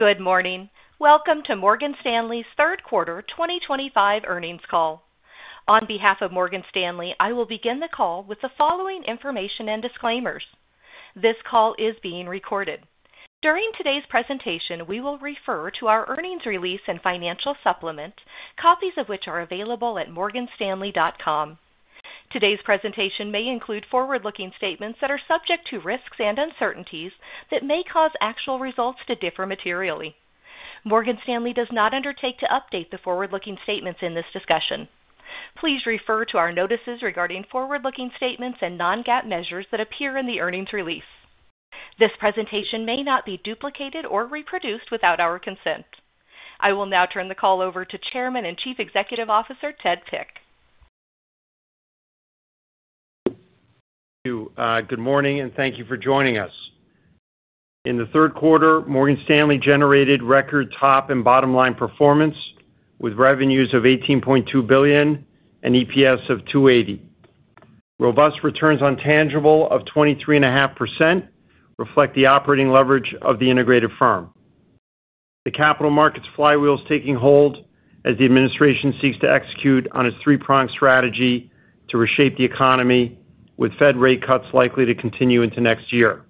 Good morning. Welcome to Morgan Stanley's third quarter 2025 earnings call. On behalf of Morgan Stanley, I will begin the call with the following information and disclaimers. This call is being recorded. During today's presentation, we will refer to our earnings release and financial supplements, copies of which are available at MorganStanley.com. Today's presentation may include forward-looking statements that are subject to risks and uncertainties that may cause actual results to differ materially. Morgan Stanley does not undertake to update the forward-looking statements in this discussion. Please refer to our notices regarding forward-looking statements and non-GAAP measures that appear in the earnings release. This presentation may not be duplicated or reproduced without our consent. I will now turn the call over to Chairman and Chief Executive Officer Ted Pick. Thank you. Good morning and thank you for joining us. In the third quarter, Morgan Stanley generated record top and bottom line performance with revenues of $18.2 billion and EPS of $2.80. Robust returns on tangible of 23.5% reflect the operating leverage of the integrated firm. The capital markets flywheel is taking hold as the administration seeks to execute on its three-pronged strategy to reshape the economy with Fed rate cuts likely to continue into next year.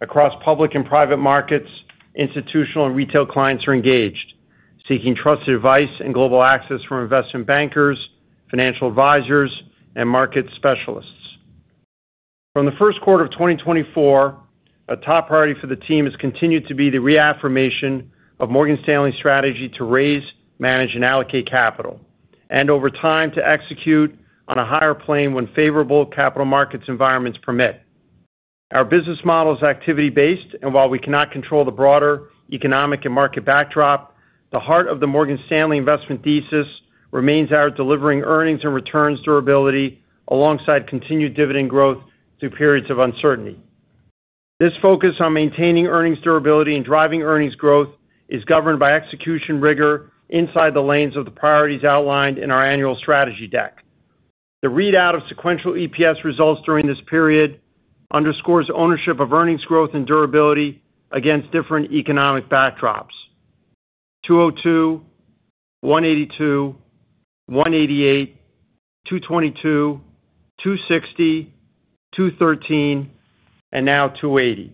Across public and private markets, institutional and retail clients are engaged, seeking trusted advice and global access from investment bankers, financial advisors, and market specialists. From the first quarter of 2024, a top priority for the team has continued to be the reaffirmation of Morgan Stanley's strategy to raise, manage, and allocate capital, and over time to execute on a higher plane when favorable capital markets environments permit. Our business model is activity-based, and while we cannot control the broader economic and market backdrop, the heart of the Morgan Stanley investment thesis remains our delivering earnings and returns durability alongside continued dividend growth through periods of uncertainty. This focus on maintaining earnings durability and driving earnings growth is governed by execution rigor inside the lanes of the priorities outlined in our annual strategy deck. The readout of sequential EPS results during this period underscores ownership of earnings growth and durability against different economic backdrops: 2.02, 1.82, 1.88, 2.22, 2.60, 2.13, and now 2.80.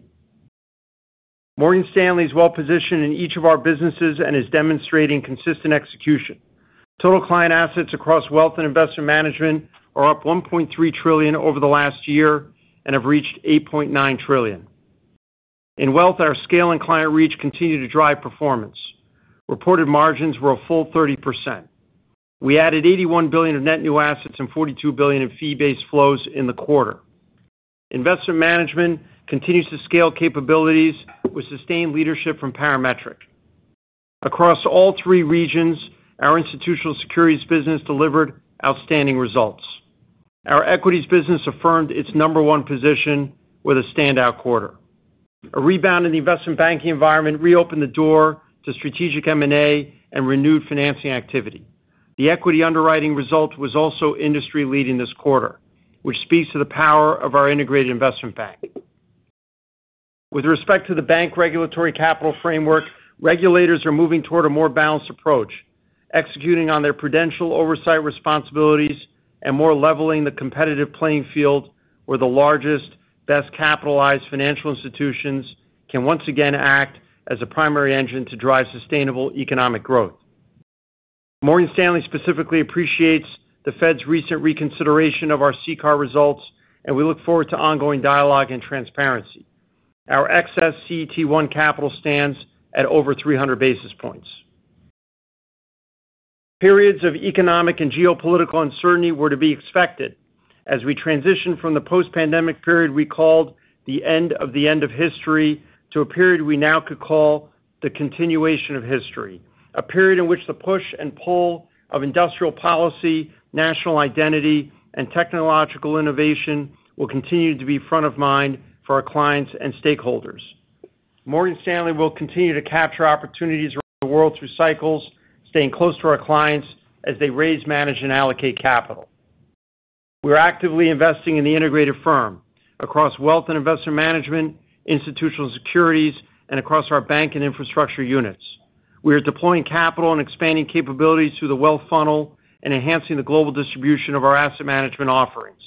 Morgan Stanley is well positioned in each of our businesses and is demonstrating consistent execution. Total client assets across wealth and investment management are up $1.3 trillion over the last year and have reached $8.9 trillion. In wealth, our scale and client reach continue to drive performance. Reported margins were a full 30%. We added $81 billion of net new assets and $42 billion in fee-based flows in the quarter. Investment management continues to scale capabilities with sustained leadership from Parametric. Across all three regions, our institutional securities business delivered outstanding results. Our equities business affirmed its number one position with a standout quarter. A rebound in the investment banking environment reopened the door to strategic M&A and renewed financing activity. The equity underwriting result was also industry-leading this quarter, which speaks to the power of our integrated investment bank. With respect to the bank regulatory capital framework, regulators are moving toward a more balanced approach, executing on their prudential oversight responsibilities and more leveling the competitive playing field where the largest, best-capitalized financial institutions can once again act as a primary engine to drive sustainable economic growth. Morgan Stanley specifically appreciates the Fed's recent reconsideration of our CCAR results, and we look forward to ongoing dialogue and transparency. Our excess CET1 capital stands at over 300 basis points. Periods of economic and geopolitical uncertainty were to be expected. As we transitioned from the post-pandemic period we called the end of the end of history to a period we now could call the continuation of history, a period in which the push and pull of industrial policy, national identity, and technological innovation will continue to be front of mind for our clients and stakeholders. Morgan Stanley will continue to capture opportunities around the world through cycles, staying close to our clients as they raise, manage, and allocate capital. We are actively investing in the integrated firm across wealth and investment management, institutional securities, and across our bank and infrastructure units. We are deploying capital and expanding capabilities through the wealth funnel and enhancing the global distribution of our asset management offerings.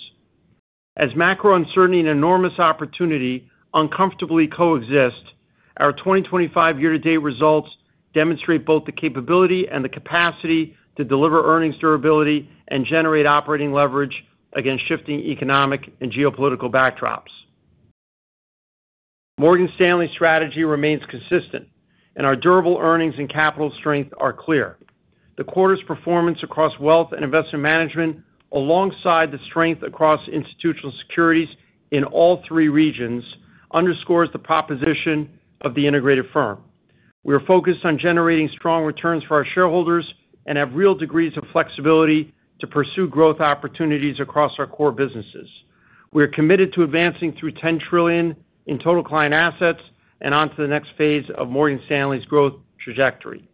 As macro uncertainty and enormous opportunity uncomfortably coexist, our 2025 year-to-date results demonstrate both the capability and the capacity to deliver earnings durability and generate operating leverage against shifting economic and geopolitical backdrops. Morgan Stanley's strategy remains consistent, and our durable earnings and capital strength are clear. The quarter's performance across wealth and investment management, alongside the strength across institutional securities in all three regions, underscores the proposition of the integrated firm. We are focused on generating strong returns for our shareholders and have real degrees of flexibility to pursue growth opportunities across our core businesses. We are committed to advancing through $10 trillion in total client assets and onto the next phase of Morgan Stanley's growth trajectory.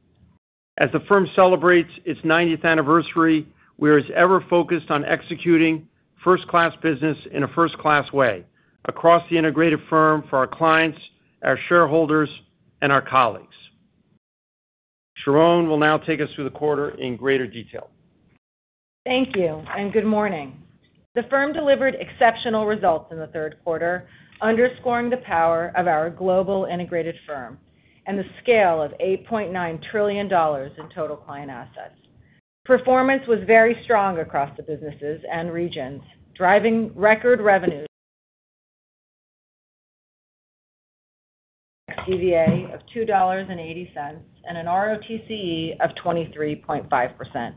As the firm celebrates its 90th anniversary, we are as ever focused on executing first-class business in a first-class way across the integrated firm for our clients, our shareholders, and our colleagues. Sharon will now take us through the quarter in greater detail. Thank you and good morning. The firm delivered exceptional results in the third quarter, underscoring the power of our global integrated firm and the scale of $8.9 trillion in total client assets. Performance was very strong across the businesses and regions, driving record revenues with a CVA of $2.80 and an ROTCE of 23.5%.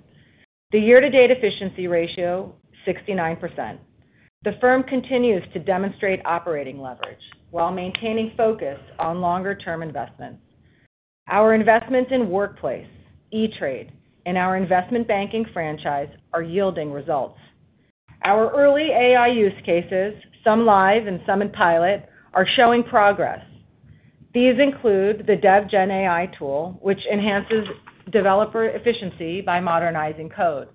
The year-to-date efficiency ratio is 69%. The firm continues to demonstrate operating leverage while maintaining focus on longer-term investments. Our investments in workplace, E*TRADE, and our investment banking franchise are yielding results. Our early AI use cases, some live and some in pilot, are showing progress. These include the DevGen AI tool, which enhances developer efficiency by modernizing code,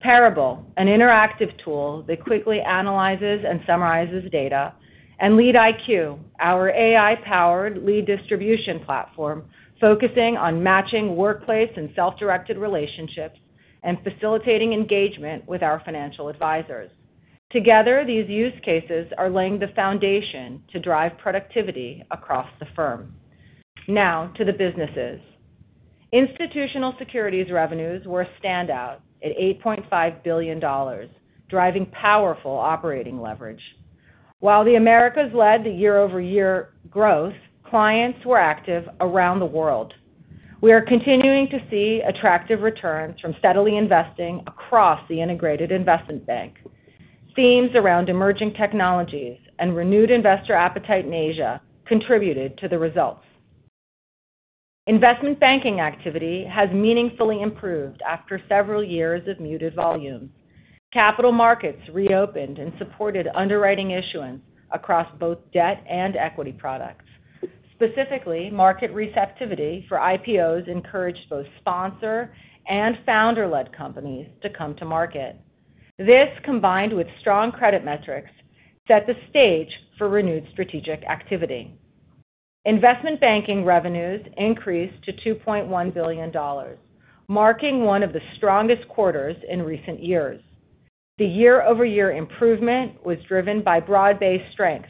Parable, an interactive tool that quickly analyzes and summarizes data, and LeadIQ, our AI-powered lead distribution platform, focusing on matching workplace and self-directed relationships and facilitating engagement with our financial advisors. Together, these use cases are laying the foundation to drive productivity across the firm. Now to the businesses. Institutional Securities revenues were a standout at $8.5 billion, driving powerful operating leverage. While the Americas led the year-over-year growth, clients were active around the world. We are continuing to see attractive returns from steadily investing across the integrated investment bank. Themes around emerging technologies and renewed investor appetite in Asia contributed to the results. Investment banking activity has meaningfully improved after several years of muted volumes. Capital markets reopened and supported underwriting issuance across both debt and equity products. Specifically, market receptivity for IPOs encouraged both sponsor and founder-led companies to come to market. This, combined with strong credit metrics, set the stage for renewed strategic activity. Investment banking revenues increased to $2.1 billion, marking one of the strongest quarters in recent years. The year-over-year improvement was driven by broad-based strength,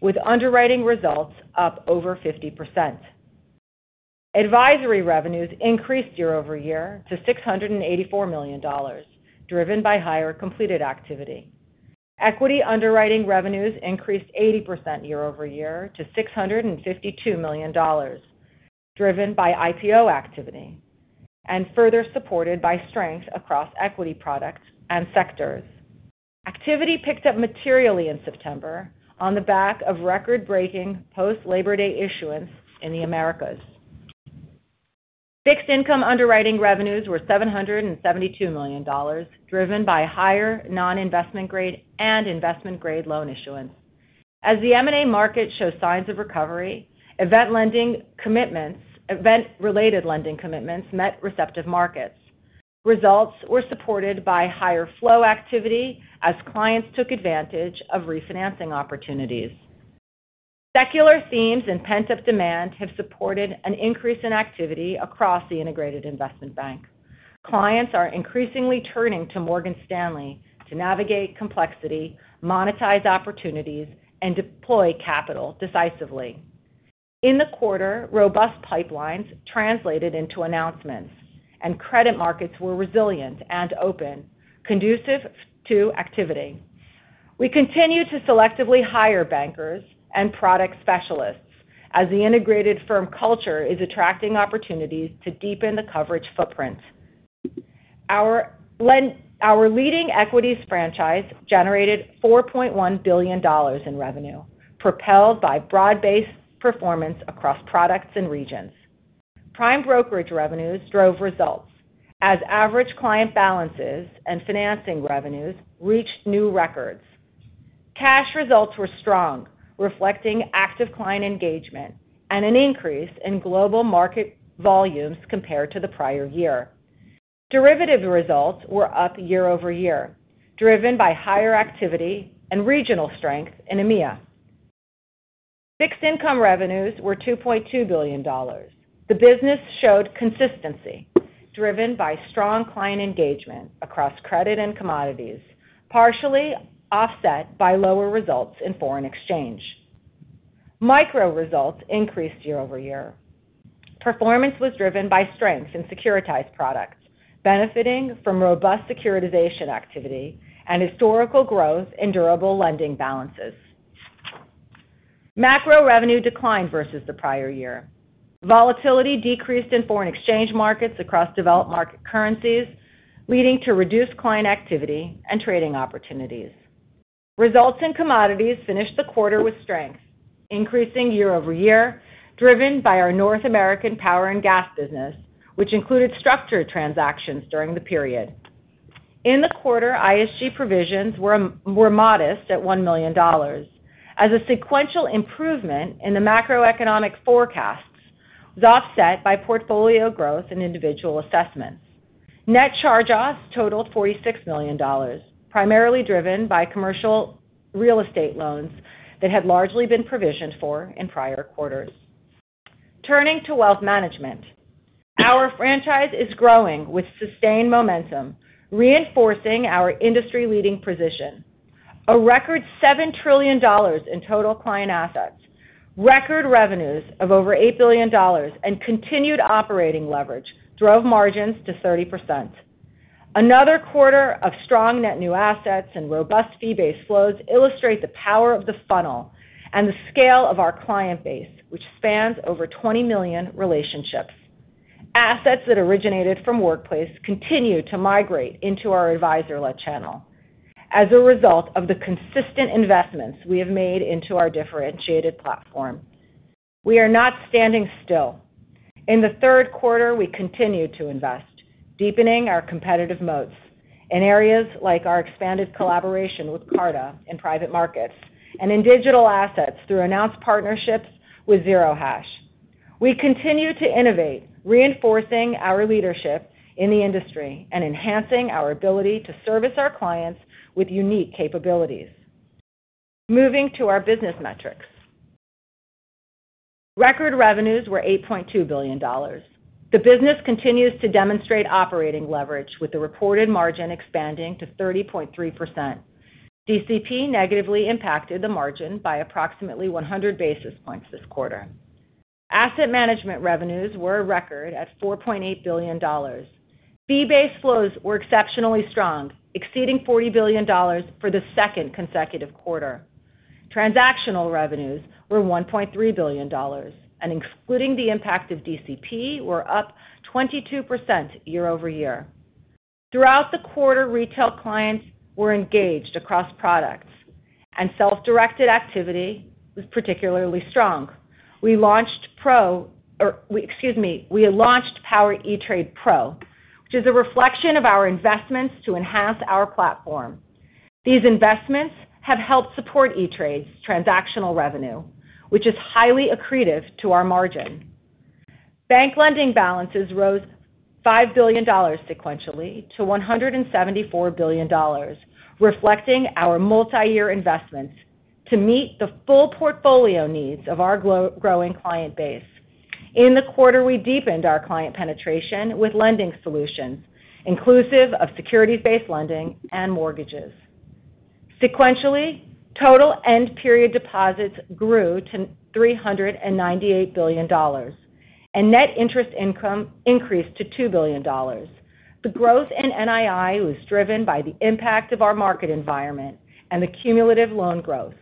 with underwriting results up over 50%. Advisory revenues increased year-over-year to $684 million, driven by higher completed activity. Equity underwriting revenues increased 80% year-over-year to $652 million, driven by IPO activity and further supported by strength across equity products and sectors. Activity picked up materially in September on the back of record-breaking post-Labor Day issuance in the Americas. Fixed income underwriting revenues were $772 million, driven by higher non-investment grade and investment grade loan issuance. As the M&A market showed signs of recovery, event-related lending commitments met receptive markets. Results were supported by higher flow activity as clients took advantage of refinancing opportunities. Secular themes and pent-up demand have supported an increase in activity across the integrated investment bank. Clients are increasingly turning to Morgan Stanley to navigate complexity, monetize opportunities, and deploy capital decisively. In the quarter, robust pipelines translated into announcements, and credit markets were resilient and open, conducive to activity. We continue to selectively hire bankers and product specialists as the integrated firm culture is attracting opportunities to deepen the coverage footprint. Our leading equities franchise generated $4.1 billion in revenue, propelled by broad-based performance across products and regions. Prime brokerage revenues drove results as average client balances and financing revenues reached new records. Cash results were strong, reflecting active client engagement and an increase in global market volumes compared to the prior year. Derivatives results were up year-over-year, driven by higher activity and regional strength in EMEA. Fixed income revenues were $2.2 billion. The business showed consistency, driven by strong client engagement across credit and commodities, partially offset by lower results in foreign exchange. Micro results increased year-over-year. Performance was driven by strength in securitized products, benefiting from robust securitization activity and historical growth in durable lending balances. Macro revenue declined versus the prior year. Volatility decreased in foreign exchange markets across developed market currencies, leading to reduced client activity and trading opportunities. Results in commodities finished the quarter with strength, increasing year-over-year, driven by our North American power and gas business, which included structured transactions during the period. In the quarter, ISG provisions were modest at $1 million, as a sequential improvement in the macroeconomic forecasts was offset by portfolio growth and individual assessments. Net charge-offs totaled $46 million, primarily driven by commercial real estate loans that had largely been provisioned for in prior quarters. Turning to Wealth Management, our franchise is growing with sustained momentum, reinforcing our industry-leading position. A record $7 trillion in total client assets, record revenues of over $8 billion, and continued operating leverage drove margins to 30%. Another quarter of strong net new assets and robust fee-based flows illustrate the power of the funnel and the scale of our client base, which spans over 20 million relationships. Assets that originated from workplace continue to migrate into our advisor-led channel as a result of the consistent investments we have made into our differentiated platform. We are not standing still. In the third quarter, we continue to invest, deepening our competitive moats in areas like our expanded collaboration with Carta in private markets and in digital assets through announced partnerships with Zero Hash. We continue to innovate, reinforcing our leadership in the industry and enhancing our ability to service our clients with unique capabilities. Moving to our business metrics, record revenues were $8.2 billion. The business continues to demonstrate operating leverage, with the reported margin expanding to 30.3%. DCP negatively impacted the margin by approximately 100 basis points this quarter. Asset management revenues were a record at $4.8 billion. Fee-based flows were exceptionally strong, exceeding $40 billion for the second consecutive quarter. Transactional revenues were $1.3 billion, and including the impact of DCP, were up 22% year-over-year. Throughout the quarter, retail clients were engaged across products, and self-directed activity was particularly strong. We launched Power eTrade Pro, which is a reflection of our investments to enhance our platform. These investments have helped support eTrade's transactional revenue, which is highly accretive to our margin. Bank lending balances rose $5 billion sequentially to $174 billion, reflecting our multi-year investments to meet the full portfolio needs of our growing client base. In the quarter, we deepened our client penetration with lending solutions, inclusive of securities-based lending and mortgages. Sequentially, total end-period deposits grew to $398 billion, and net interest income increased to $2 billion. The growth in NII was driven by the impact of our market environment and the cumulative loan growth.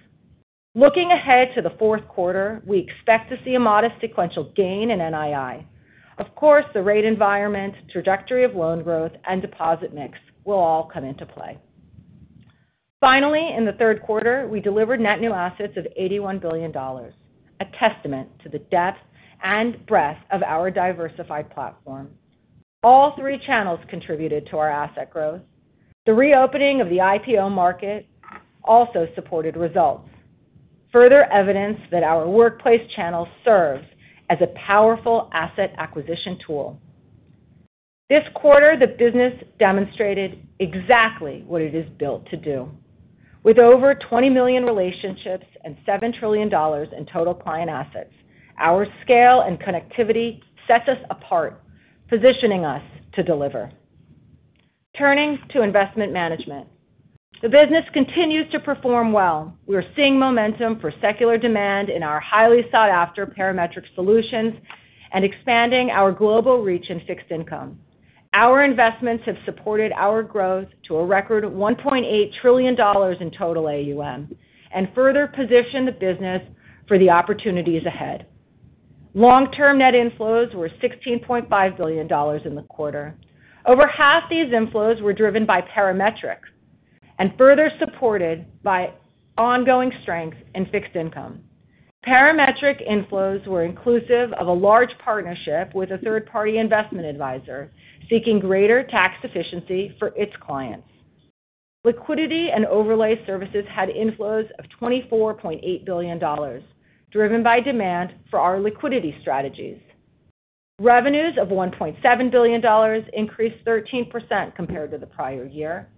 Looking ahead to the fourth quarter, we expect to see a modest sequential gain in NII. Of course, the rate environment, trajectory of loan growth, and deposit mix will all come into play. Finally, in the third quarter, we delivered net new assets of $81 billion, a testament to the depth and breadth of our diversified platform. All three channels contributed to our asset growth. The reopening of the IPO market also supported results, further evidence that our workplace channel serves as a powerful asset acquisition tool. This quarter, the business demonstrated exactly what it is built to do. With over 20 million relationships and $7 trillion in total client assets, our scale and connectivity set us apart, positioning us to deliver. Turning to investment management, the business continues to perform well. We are seeing momentum for secular demand in our highly sought-after Parametric solutions and expanding our global reach in fixed income. Our investments have supported our growth to a record $1.8 trillion in total AUM and further positioned the business for the opportunities ahead. Long-term net inflows were $16.5 billion in the quarter. Over half these inflows were driven by Parametric and further supported by ongoing strength in fixed income. Parametric inflows were inclusive of a large partnership with a third-party investment advisor seeking greater tax efficiency for its clients. Liquidity and overlay services had inflows of $24.8 billion, driven by demand for our liquidity strategies. Revenues of $1.7 billion increased 13% compared to the prior year.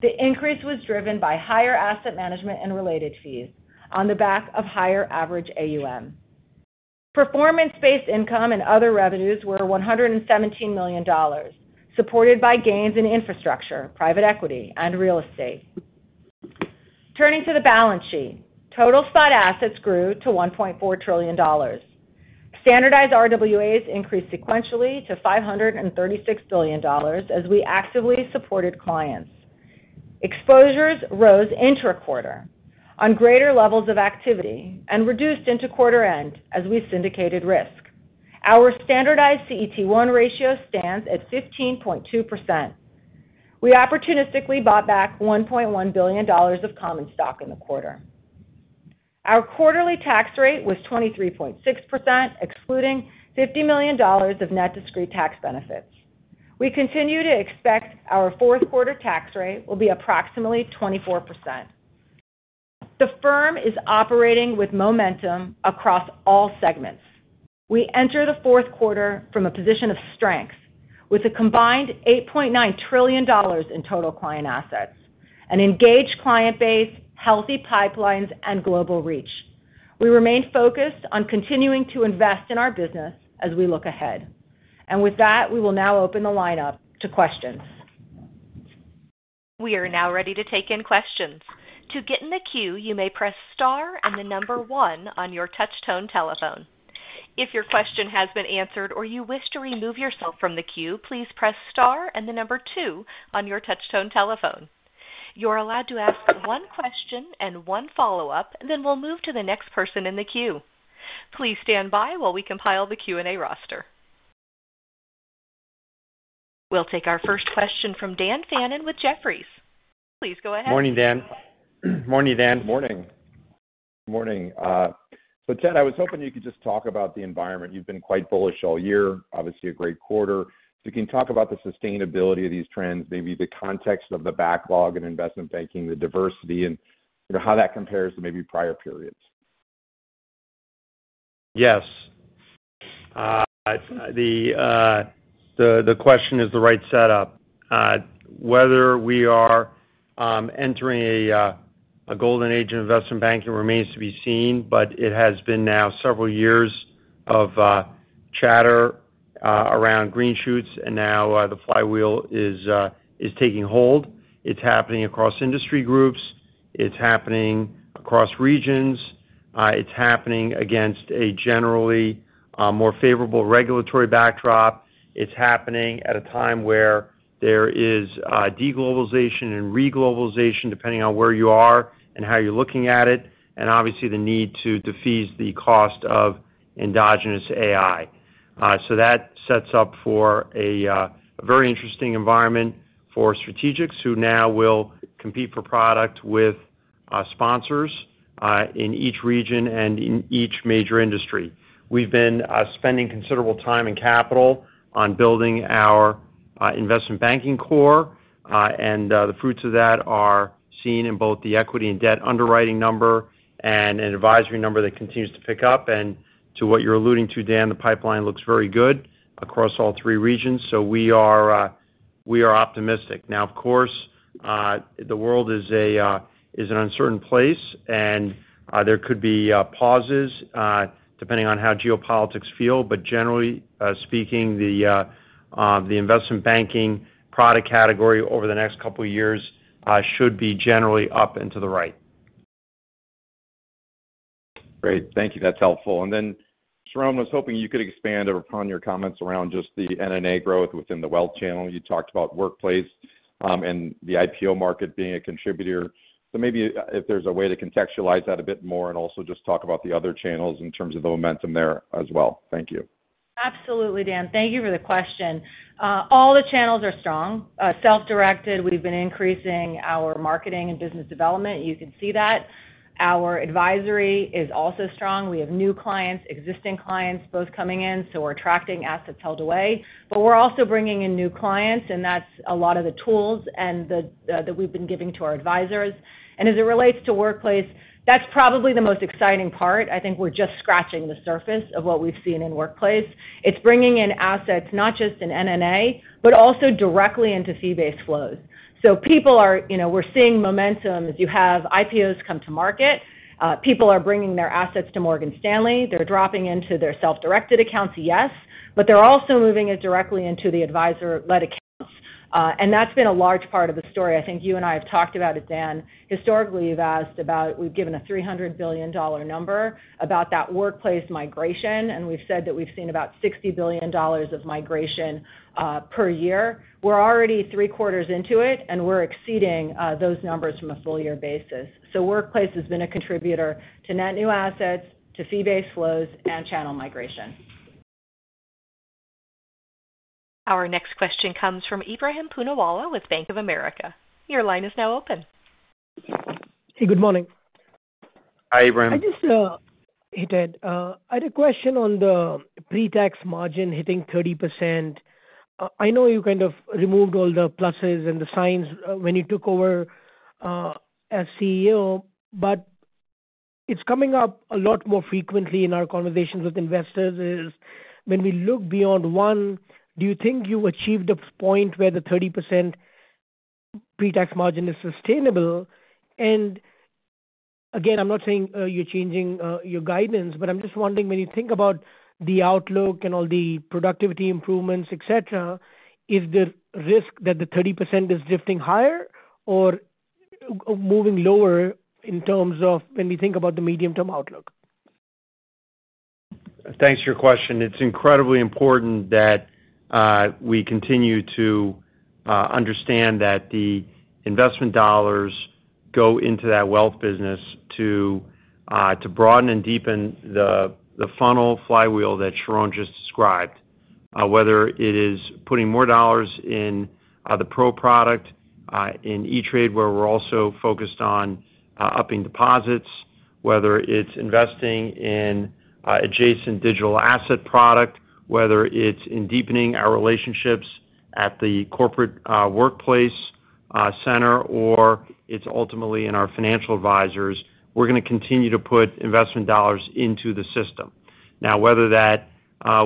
The increase was driven by higher asset management and related fees on the back of higher average AUM. Performance-based income and other revenues were $117 million, supported by gains in infrastructure, private equity, and real estate. Turning to the balance sheet, total spot assets grew to $1.4 trillion. Standardized RWAs increased sequentially to $536 billion as we actively supported clients. Exposures rose intra-quarter on greater levels of activity and reduced into quarter end as we syndicated risk. Our standardized CET1 ratio stands at 15.2%. We opportunistically bought back $1.1 billion of common stock in the quarter. Our quarterly tax rate was 23.6%, excluding $50 million of net discrete tax benefits. We continue to expect our fourth quarter tax rate will be approximately 24%. The firm is operating with momentum across all segments. We enter the fourth quarter from a position of strength, with a combined $8.9 trillion in total client assets, an engaged client base, healthy pipelines, and global reach. We remain focused on continuing to invest in our business as we look ahead. We will now open the line up to questions. We are now ready to take in questions. To get in the queue, you may press star and the number one on your touch-tone telephone. If your question has been answered or you wish to remove yourself from the queue, please press star and the number two on your touch-tone telephone. You're allowed to ask one question and one follow-up, then we'll move to the next person in the queue. Please stand by while we compile the Q&A roster. We'll take our first question from Dan Fannon with Jefferies. Please go ahead. Morning, Dan. Morning. Morning. Ted, I was hoping you could just talk about the environment. You've been quite bullish all year, obviously a great quarter. Can you talk about the sustainability of these trends, maybe the context of the backlog in investment banking, the diversity, and how that compares to maybe prior periods? Yes. The question is the right setup. Whether we are entering a golden age in investment banking remains to be seen, but it has been now several years of chatter around green shoots, and now the flywheel is taking hold. It's happening across industry groups. It's happening across regions. It's happening against a generally more favorable regulatory backdrop. It's happening at a time where there is de-globalization and re-globalization, depending on where you are and how you're looking at it, and obviously the need to defuse the cost of endogenous AI. That sets up for a very interesting environment for strategics who now will compete for product with sponsors in each region and in each major industry. We've been spending considerable time and capital on building our investment banking core, and the fruits of that are seen in both the equity and debt underwriting number and an advisory number that continues to pick up. To what you're alluding to, Dan, the pipeline looks very good across all three regions. We are optimistic. Of course, the world is an uncertain place, and there could be pauses depending on how geopolitics feel. Generally speaking, the investment banking product category over the next couple of years should be generally up and to the right. Great. Thank you. That's helpful. Sharon, I was hoping you could expand upon your comments around just the NNA growth within the wealth channel. You talked about workplace and the IPO market being a contributor. If there's a way to contextualize that a bit more and also just talk about the other channels in terms of the momentum there as well. Thank you. Absolutely, Dan. Thank you for the question. All the channels are strong. Self-directed, we've been increasing our marketing and business development. You can see that. Our advisory is also strong. We have new clients, existing clients, both coming in. We're attracting assets held away. We're also bringing in new clients, and that's a lot of the tools that we've been giving to our advisors. As it relates to workplace, that's probably the most exciting part. I think we're just scratching the surface of what we've seen in workplace. It's bringing in assets not just in NNA, but also directly into fee-based flows. People are, you know, we're seeing momentum as you have IPOs come to market. People are bringing their assets to Morgan Stanley. They're dropping into their self-directed accounts, yes, but they're also moving it directly into the advisor-led accounts. That's been a large part of the story. I think you and I have talked about it, Dan. Historically, we've asked about, we've given a $300 billion number about that workplace migration, and we've said that we've seen about $60 billion of migration per year. We're already three quarters into it, and we're exceeding those numbers from a full-year basis. Workplace has been a contributor to net new assets, to fee-based flows, and channel migration. Our next question comes from Ibrahim Punawala with Bank of America. Your line is now open. Hey, good morning. Hi, Ibrahim. Hey, Ted. I had a question on the pre-tax margin hitting 30%. I know you kind of removed all the pluses and the signs when you took over as CEO, but it's coming up a lot more frequently in our conversations with investors. When we look beyond one, do you think you've achieved a point where the 30% pre-tax margin is sustainable? I'm not saying you're changing your guidance, but I'm just wondering when you think about the outlook and all the productivity improvements, etc., is there risk that the 30% is drifting higher or moving lower in terms of when we think about the medium-term outlook? Thanks for your question. It's incredibly important that we continue to understand that the investment dollars go into that wealth business to broaden and deepen the funnel flywheel that Sharon just described, whether it is putting more dollars in the pro product in E*TRADE where we're also focused on upping deposits, whether it's investing in adjacent digital asset product, whether it's in deepening our relationships at the corporate workplace center, or it's ultimately in our financial advisors. We're going to continue to put investment dollars into the system. Now, whether that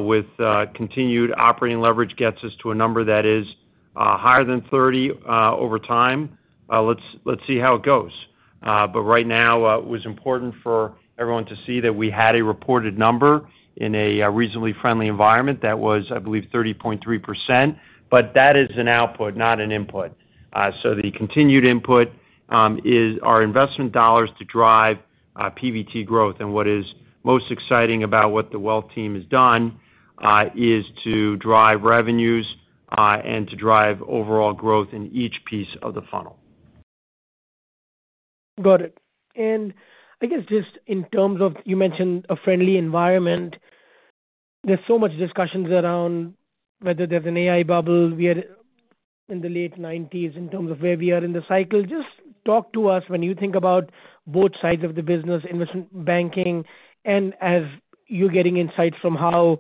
with continued operating leverage gets us to a number that is higher than 30% over time, let's see how it goes. Right now, it was important for everyone to see that we had a reported number in a reasonably friendly environment that was, I believe, 30.3%. That is an output, not an input. The continued input is our investment dollars to drive PVT growth. What is most exciting about what the wealth team has done is to drive revenues and to drive overall growth in each piece of the funnel. Got it. I guess just in terms of you mentioned a friendly environment, there's so much discussion around whether there's an AI bubble. We are in the late 1990s in terms of where we are in the cycle. Just talk to us when you think about both sides of the business, investment banking, and as you're getting insights from how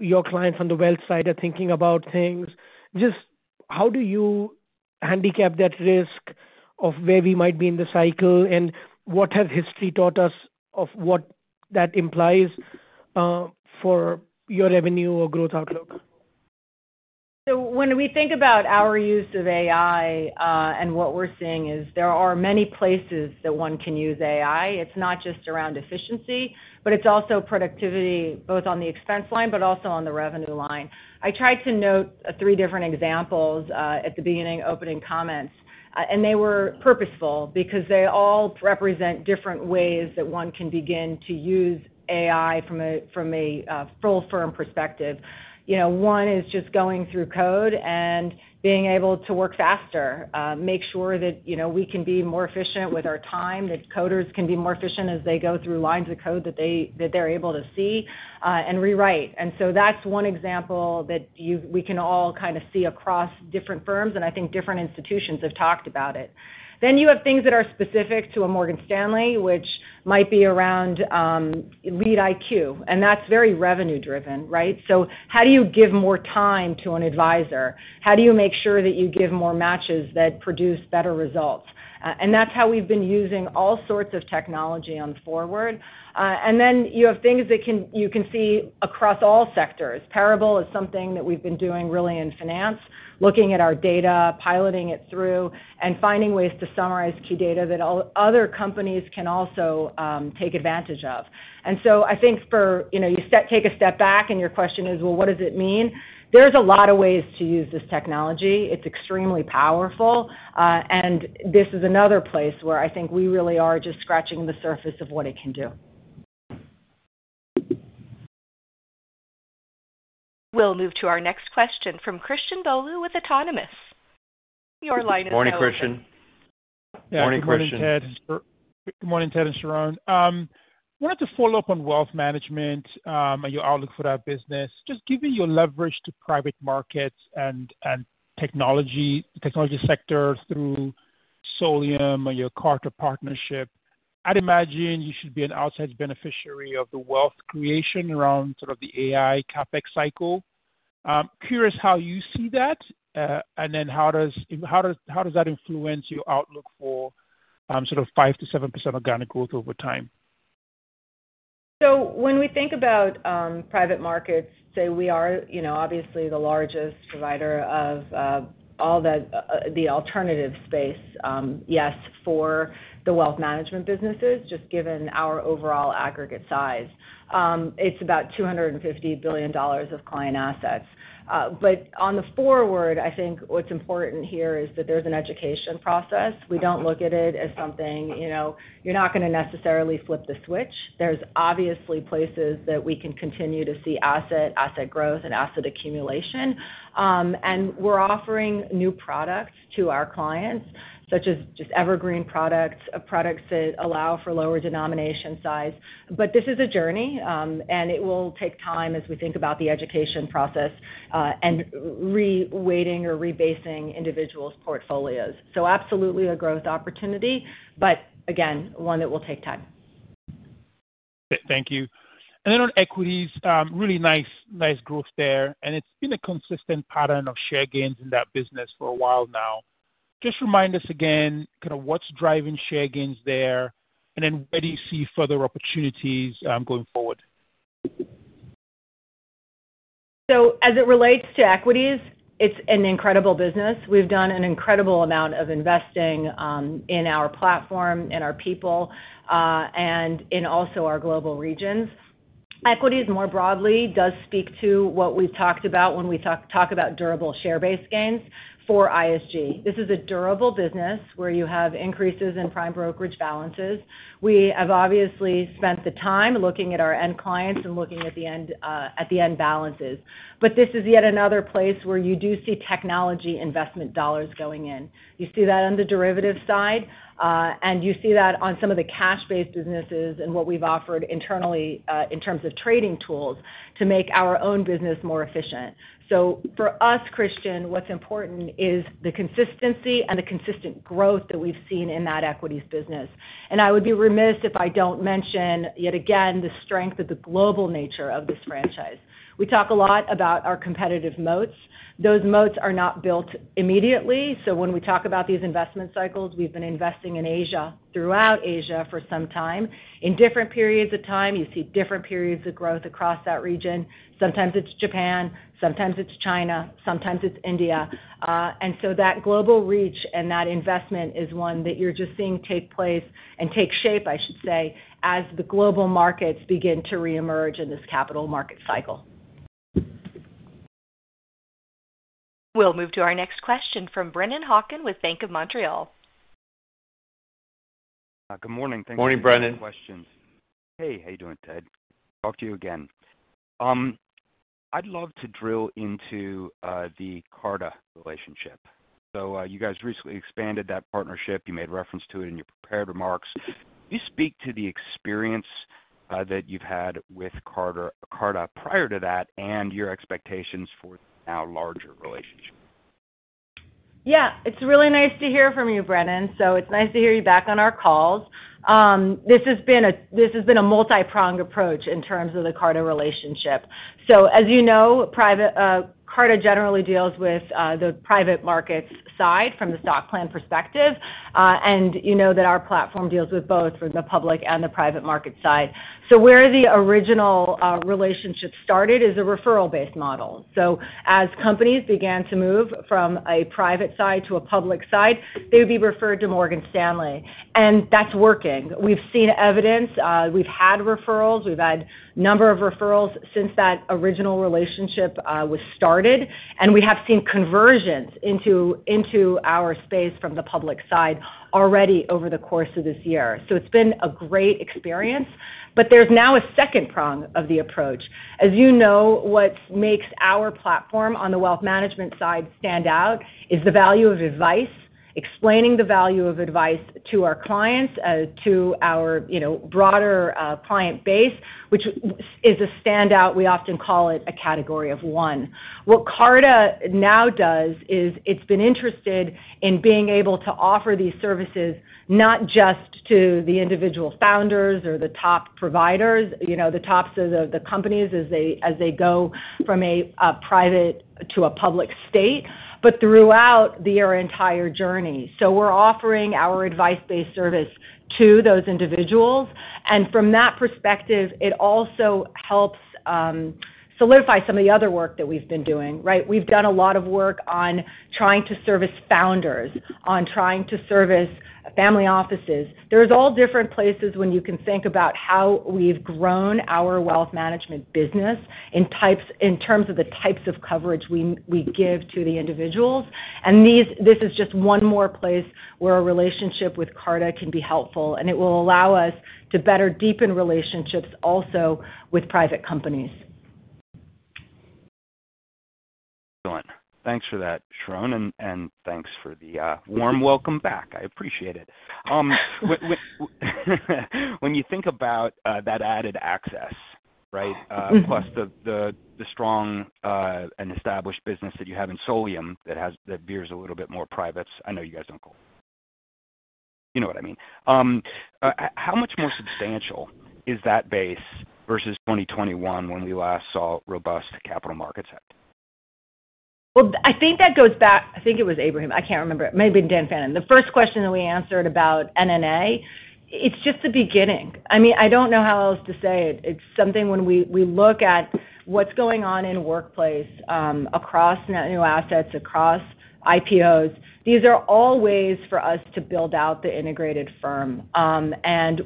your clients on the wealth side are thinking about things. Just how do you handicap that risk of where we might be in the cycle and what has history taught us of what that implies for your revenue or growth outlook? When we think about our use of AI and what we're seeing is there are many places that one can use AI. It's not just around efficiency, but it's also productivity, both on the expense line and on the revenue line. I tried to note three different examples at the beginning opening comments, and they were purposeful because they all represent different ways that one can begin to use AI from a full firm perspective. One is just going through code and being able to work faster, make sure that we can be more efficient with our time, that coders can be more efficient as they go through lines of code that they're able to see and rewrite. That's one example that we can all kind of see across different firms, and I think different institutions have talked about it. Then you have things that are specific to Morgan Stanley, which might be around LeadIQ, and that's very revenue-driven, right? How do you give more time to an advisor? How do you make sure that you give more matches that produce better results? That's how we've been using all sorts of technology going forward. Then you have things that you can see across all sectors. Parable is something that we've been doing really in finance, looking at our data, piloting it through, and finding ways to summarize key data that other companies can also take advantage of. I think if you take a step back and your question is, what does it mean? There's a lot of ways to use this technology. It's extremely powerful. This is another place where I think we really are just scratching the surface of what it can do. We'll move to our next question from Christian Bolu with Autonomous. Your line is now open. Morning, Christian. Morning, Christian. Morning, Ted and Sharon. I wanted to follow up on Wealth Management and your outlook for that business. Just given your leverage to private markets and technology sector through Solium and your Carta partnership, I'd imagine you should be an outside beneficiary of the wealth creation around sort of the AI CapEx cycle. I'm curious how you see that, and then how does that influence your outlook for sort of 5-7% organic growth over time? When we think about private markets, we are obviously the largest provider in all the alternative space for the wealth management businesses, just given our overall aggregate size. It's about $250 billion of client assets. On the forward, I think what's important here is that there's an education process. We don't look at it as something you're not going to necessarily flip the switch. There are places that we can continue to see asset growth and asset accumulation. We're offering new products to our clients, such as evergreen products and products that allow for lower denomination size. This is a journey, and it will take time as we think about the education process and reweighting or rebasing individuals' portfolios. It is absolutely a growth opportunity, but again, one that will take time. Thank you. On equities, really nice growth there, and it's been a consistent pattern of share gains in that business for a while now. Just remind us again, kind of what's driving share gains there, and where do you see further opportunities going forward? As it relates to equities, it's an incredible business. We've done an incredible amount of investing in our platform, our people, and also our global regions. Equities more broadly do speak to what we've talked about when we talk about durable share-based gains for ISG. This is a durable business where you have increases in prime brokerage balances. We have obviously spent the time looking at our end clients and looking at the end balances. This is yet another place where you do see technology investment dollars going in. You see that on the derivative side, and you see that on some of the cash-based businesses and what we've offered internally in terms of trading tools to make our own business more efficient. For us, Christian, what's important is the consistency and the consistent growth that we've seen in that equities business. I would be remiss if I don't mention, yet again, the strength of the global nature of this franchise. We talk a lot about our competitive moats. Those moats are not built immediately. When we talk about these investment cycles, we've been investing in Asia, throughout Asia for some time. In different periods of time, you see different periods of growth across that region. Sometimes it's Japan, sometimes it's China, sometimes it's India. That global reach and that investment is one that you're just seeing take place and take shape, I should say, as the global markets begin to reemerge in this capital market cycle. We'll move to our next question from Brennan Hawkin with Bank of Montreal. Good morning. Morning, Brennan. Thank you for the questions. Hey, how are you doing, Ted? Talk to you again. I'd love to drill into the Carta relationship. You guys recently expanded that partnership. You made reference to it in your prepared remarks. Can you speak to the experience that you've had with Carta prior to that and your expectations for the now larger relationship? Yeah, it's really nice to hear from you, Brennan. It's nice to hear you back on our calls. This has been a multipronged approach in terms of the Carta relationship. As you know, Carta generally deals with the private markets side from the stock plan perspective, and you know that our platform deals with both the public and the private market side. The original relationship started as a referral-based model. As companies began to move from a private side to a public side, they would be referred to Morgan Stanley. That's working. We've seen evidence. We've had referrals. We've had a number of referrals since that original relationship was started, and we have seen conversions into our space from the public side already over the course of this year. It's been a great experience. There's now a second prong of the approach. As you know, what makes our platform on the Wealth Management side stand out is the value of advice, explaining the value of advice to our clients, to our broader client base, which is a standout. We often call it a category of one. What Carta now does is it's been interested in being able to offer these services not just to the individual founders or the top providers, the tops of the companies as they go from a private to a public state, but throughout their entire journey. We're offering our advice-based service to those individuals, and from that perspective, it also helps solidify some of the other work that we've been doing. We've done a lot of work on trying to service founders, on trying to service family offices. There are all different places when you can think about how we've grown our Wealth Management business in terms of the types of coverage we give to the individuals. This is just one more place where a relationship with Carta can be helpful, and it will allow us to better deepen relationships also with private companies. Excellent. Thanks for that, Sharon. Thanks for the warm welcome back. I appreciate it. When you think about that added access, right, plus the strong and established business that you have in Solium that bears a little bit more privates, I know you guys don't call it. You know what I mean. How much more substantial is that base versus 2021 when we last saw robust capital markets act? I think that goes back, I think it was Abraham. I can't remember. It may have been Dan Fannon. The first question that we answered about NNA. It's just the beginning. I mean, I don't know how else to say it. It's something when we look at what's going on in workplace across net new assets, across IPOs. These are all ways for us to build out the integrated firm.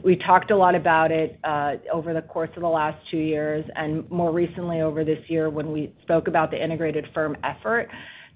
We talked a lot about it over the course of the last two years and more recently over this year when we spoke about the integrated firm effort.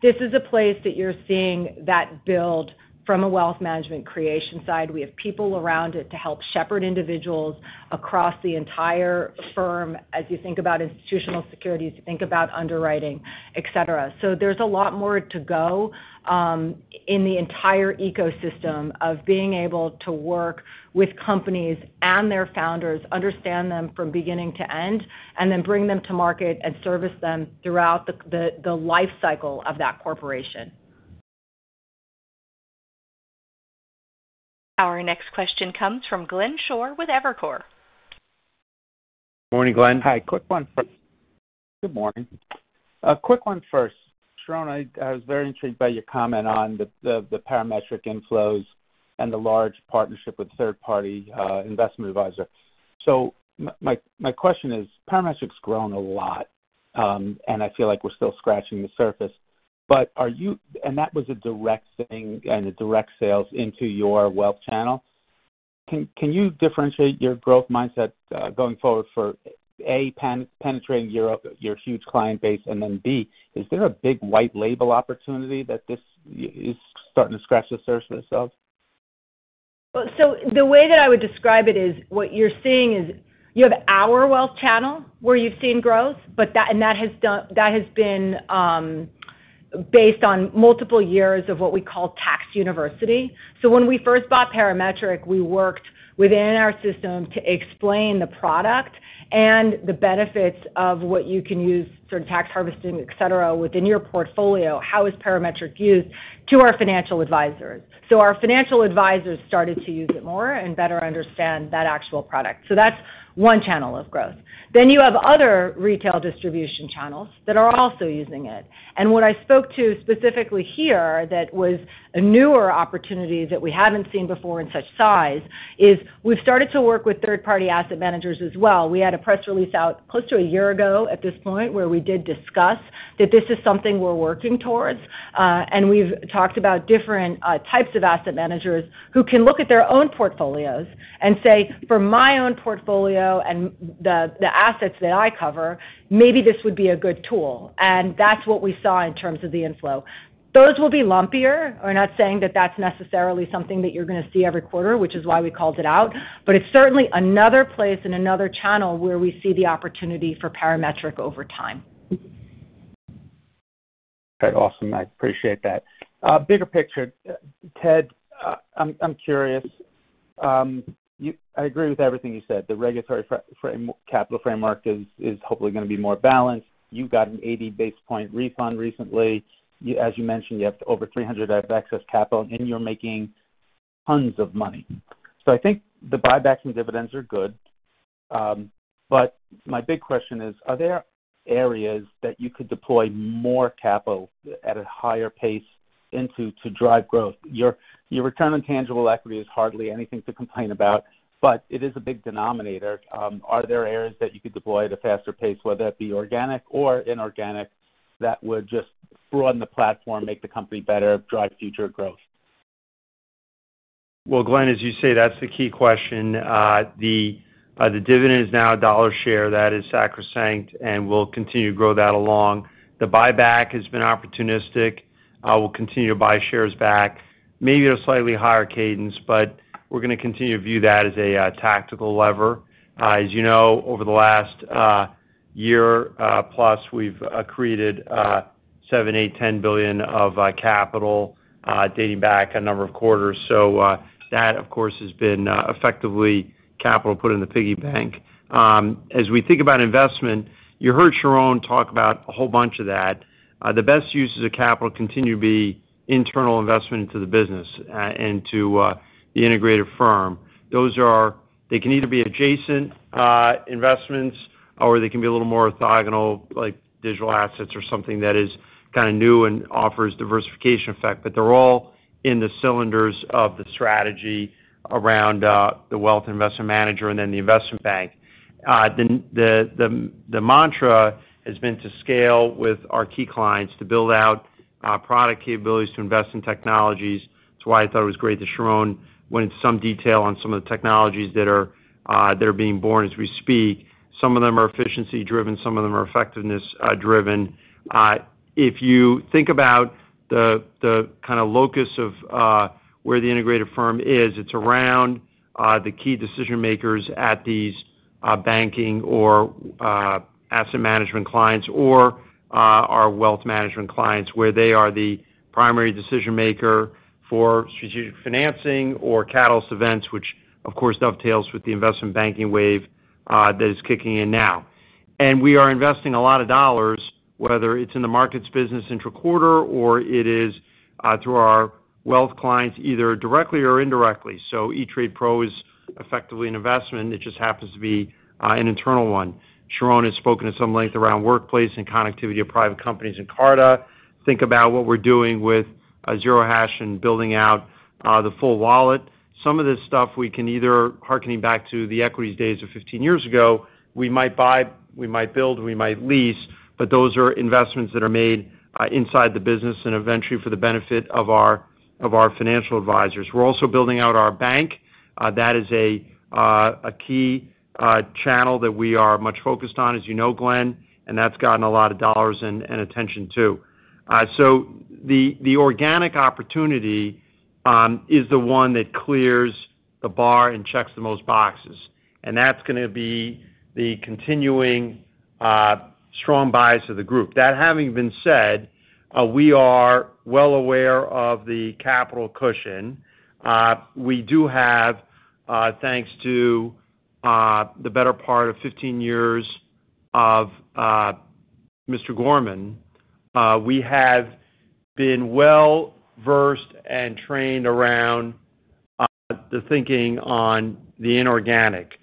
This is a place that you're seeing that build from a wealth management creation side. We have people around it to help shepherd individuals across the entire firm as you think about institutional securities, you think about underwriting, etc. There's a lot more to go in the entire ecosystem of being able to work with companies and their founders, understand them from beginning to end, and then bring them to market and service them throughout the lifecycle of that corporation. Our next question comes from Glenn Schorr with Evercore. Morning, Glen. Hi, quick one. Good morning. A quick one first. Sharon, I was very intrigued by your comment on the Parametric inflows and the large partnership with third-party investment advisors. My question is, Parametric's grown a lot, and I feel like we're still scratching the surface. Are you, and that was a direct thing and a direct sales into your wealth channel. Can you differentiate your growth mindset going forward for A, penetrating your huge client base, and then B, is there a big white label opportunity that this is starting to scratch the surface of? The way that I would describe it is what you're seeing is you have our wealth channel where you've seen growth, and that has been based on multiple years of what we call tax university. When we first bought Parametric, we worked within our system to explain the product and the benefits of what you can use, sort of tax harvesting, etc., within your portfolio, how is Parametric used to our financial advisors. Our financial advisors started to use it more and better understand that actual product. That's one channel of growth. You have other retail distribution channels that are also using it. What I spoke to specifically here that was a newer opportunity that we haven't seen before in such size is we've started to work with third-party asset managers as well. We had a press release out close to a year ago at this point where we did discuss that this is something we're working towards. We've talked about different types of asset managers who can look at their own portfolios and say, for my own portfolio and the assets that I cover, maybe this would be a good tool. That's what we saw in terms of the inflow. Those will be lumpier. I'm not saying that that's necessarily something that you're going to see every quarter, which is why we called it out. It's certainly another place and another channel where we see the opportunity for Parametric over time. Okay, awesome. I appreciate that. Bigger picture, Ted, I'm curious. I agree with everything you said. The regulatory capital framework is hopefully going to be more balanced. You got an 80 basis point refund recently. As you mentioned, you have over $300 billion excess capital, and you're making tons of money. I think the buybacks and dividends are good. My big question is, are there areas that you could deploy more capital at a higher pace to drive growth? Your return on tangible equity is hardly anything to complain about, but it is a big denominator. Are there areas that you could deploy at a faster pace, whether it be organic or inorganic, that would just broaden the platform, make the company better, drive future growth? Glen, as you say, that's the key question. The dividend is now $1 a share that is sacrosanct, and we'll continue to grow that along. The buyback has been opportunistic. We'll continue to buy shares back, maybe at a slightly higher cadence, but we're going to continue to view that as a tactical lever. As you know, over the last year plus, we've accreted $7, $8, $10 billion of capital dating back a number of quarters. That, of course, has been effectively capital put in the piggy bank. As we think about investment, you heard Sharon talk about a whole bunch of that. The best uses of capital continue to be internal investment into the business and to the integrated firm. Those are, they can either be adjacent investments or they can be a little more orthogonal, like digital assets or something that is kind of new and offers diversification effect. They're all in the cylinders of the strategy around the wealth investment manager and then the investment bank. The mantra has been to scale with our key clients to build out product capabilities to invest in technologies. That's why I thought it was great that Sharon went into some detail on some of the technologies that are being born as we speak. Some of them are efficiency-driven. Some of them are effectiveness-driven. If you think about the kind of locus of where the integrated firm is, it's around the key decision makers at these banking or asset management clients or our wealth management clients where they are the primary decision maker for strategic financing or catalyst events, which of course dovetails with the investment banking wave that is kicking in now. We are investing a lot of dollars, whether it's in the markets business intra-quarter or it is through our wealth clients either directly or indirectly. eTrade Pro is effectively an investment. It just happens to be an internal one. Sharon has spoken at some length around workplace and connectivity of private companies and Carta. Think about what we're doing with Zero Hash and building out the full wallet. Some of this stuff we can either, hearkening back to the equities days of 15 years ago, we might buy, we might build, we might lease, but those are investments that are made inside the business and eventually for the benefit of our financial advisors. We're also building out our bank. That is a key channel that we are much focused on, as you know, Glen, and that's gotten a lot of dollars and attention too. The organic opportunity is the one that clears the bar and checks the most boxes. That is going to be the continuing strong bias of the group. That having been said, we are well aware of the capital cushion. We do have, thanks to the better part of 15 years of Mr. Gorman, we have been well-versed and trained around the thinking on the inorganic,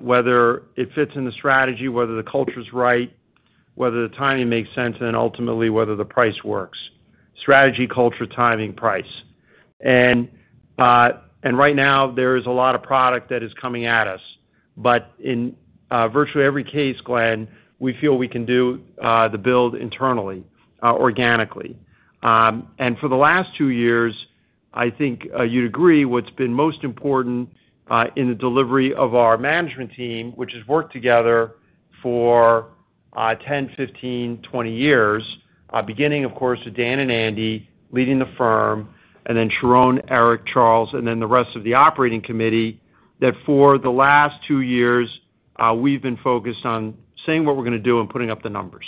whether it fits in the strategy, whether the culture is right, whether the timing makes sense, and then ultimately whether the price works. Strategy, culture, timing, price. Right now, there is a lot of product that is coming at us. In virtually every case, Glen, we feel we can do the build internally, organically. For the last two years, I think you'd agree what's been most important in the delivery of our management team, which has worked together for 10, 15, 20 years, beginning, of course, with Dan and Andy leading the firm, and then Sharon, Eric, Charles, and then the rest of the operating committee, that for the last two years, we've been focused on saying what we're going to do and putting up the numbers.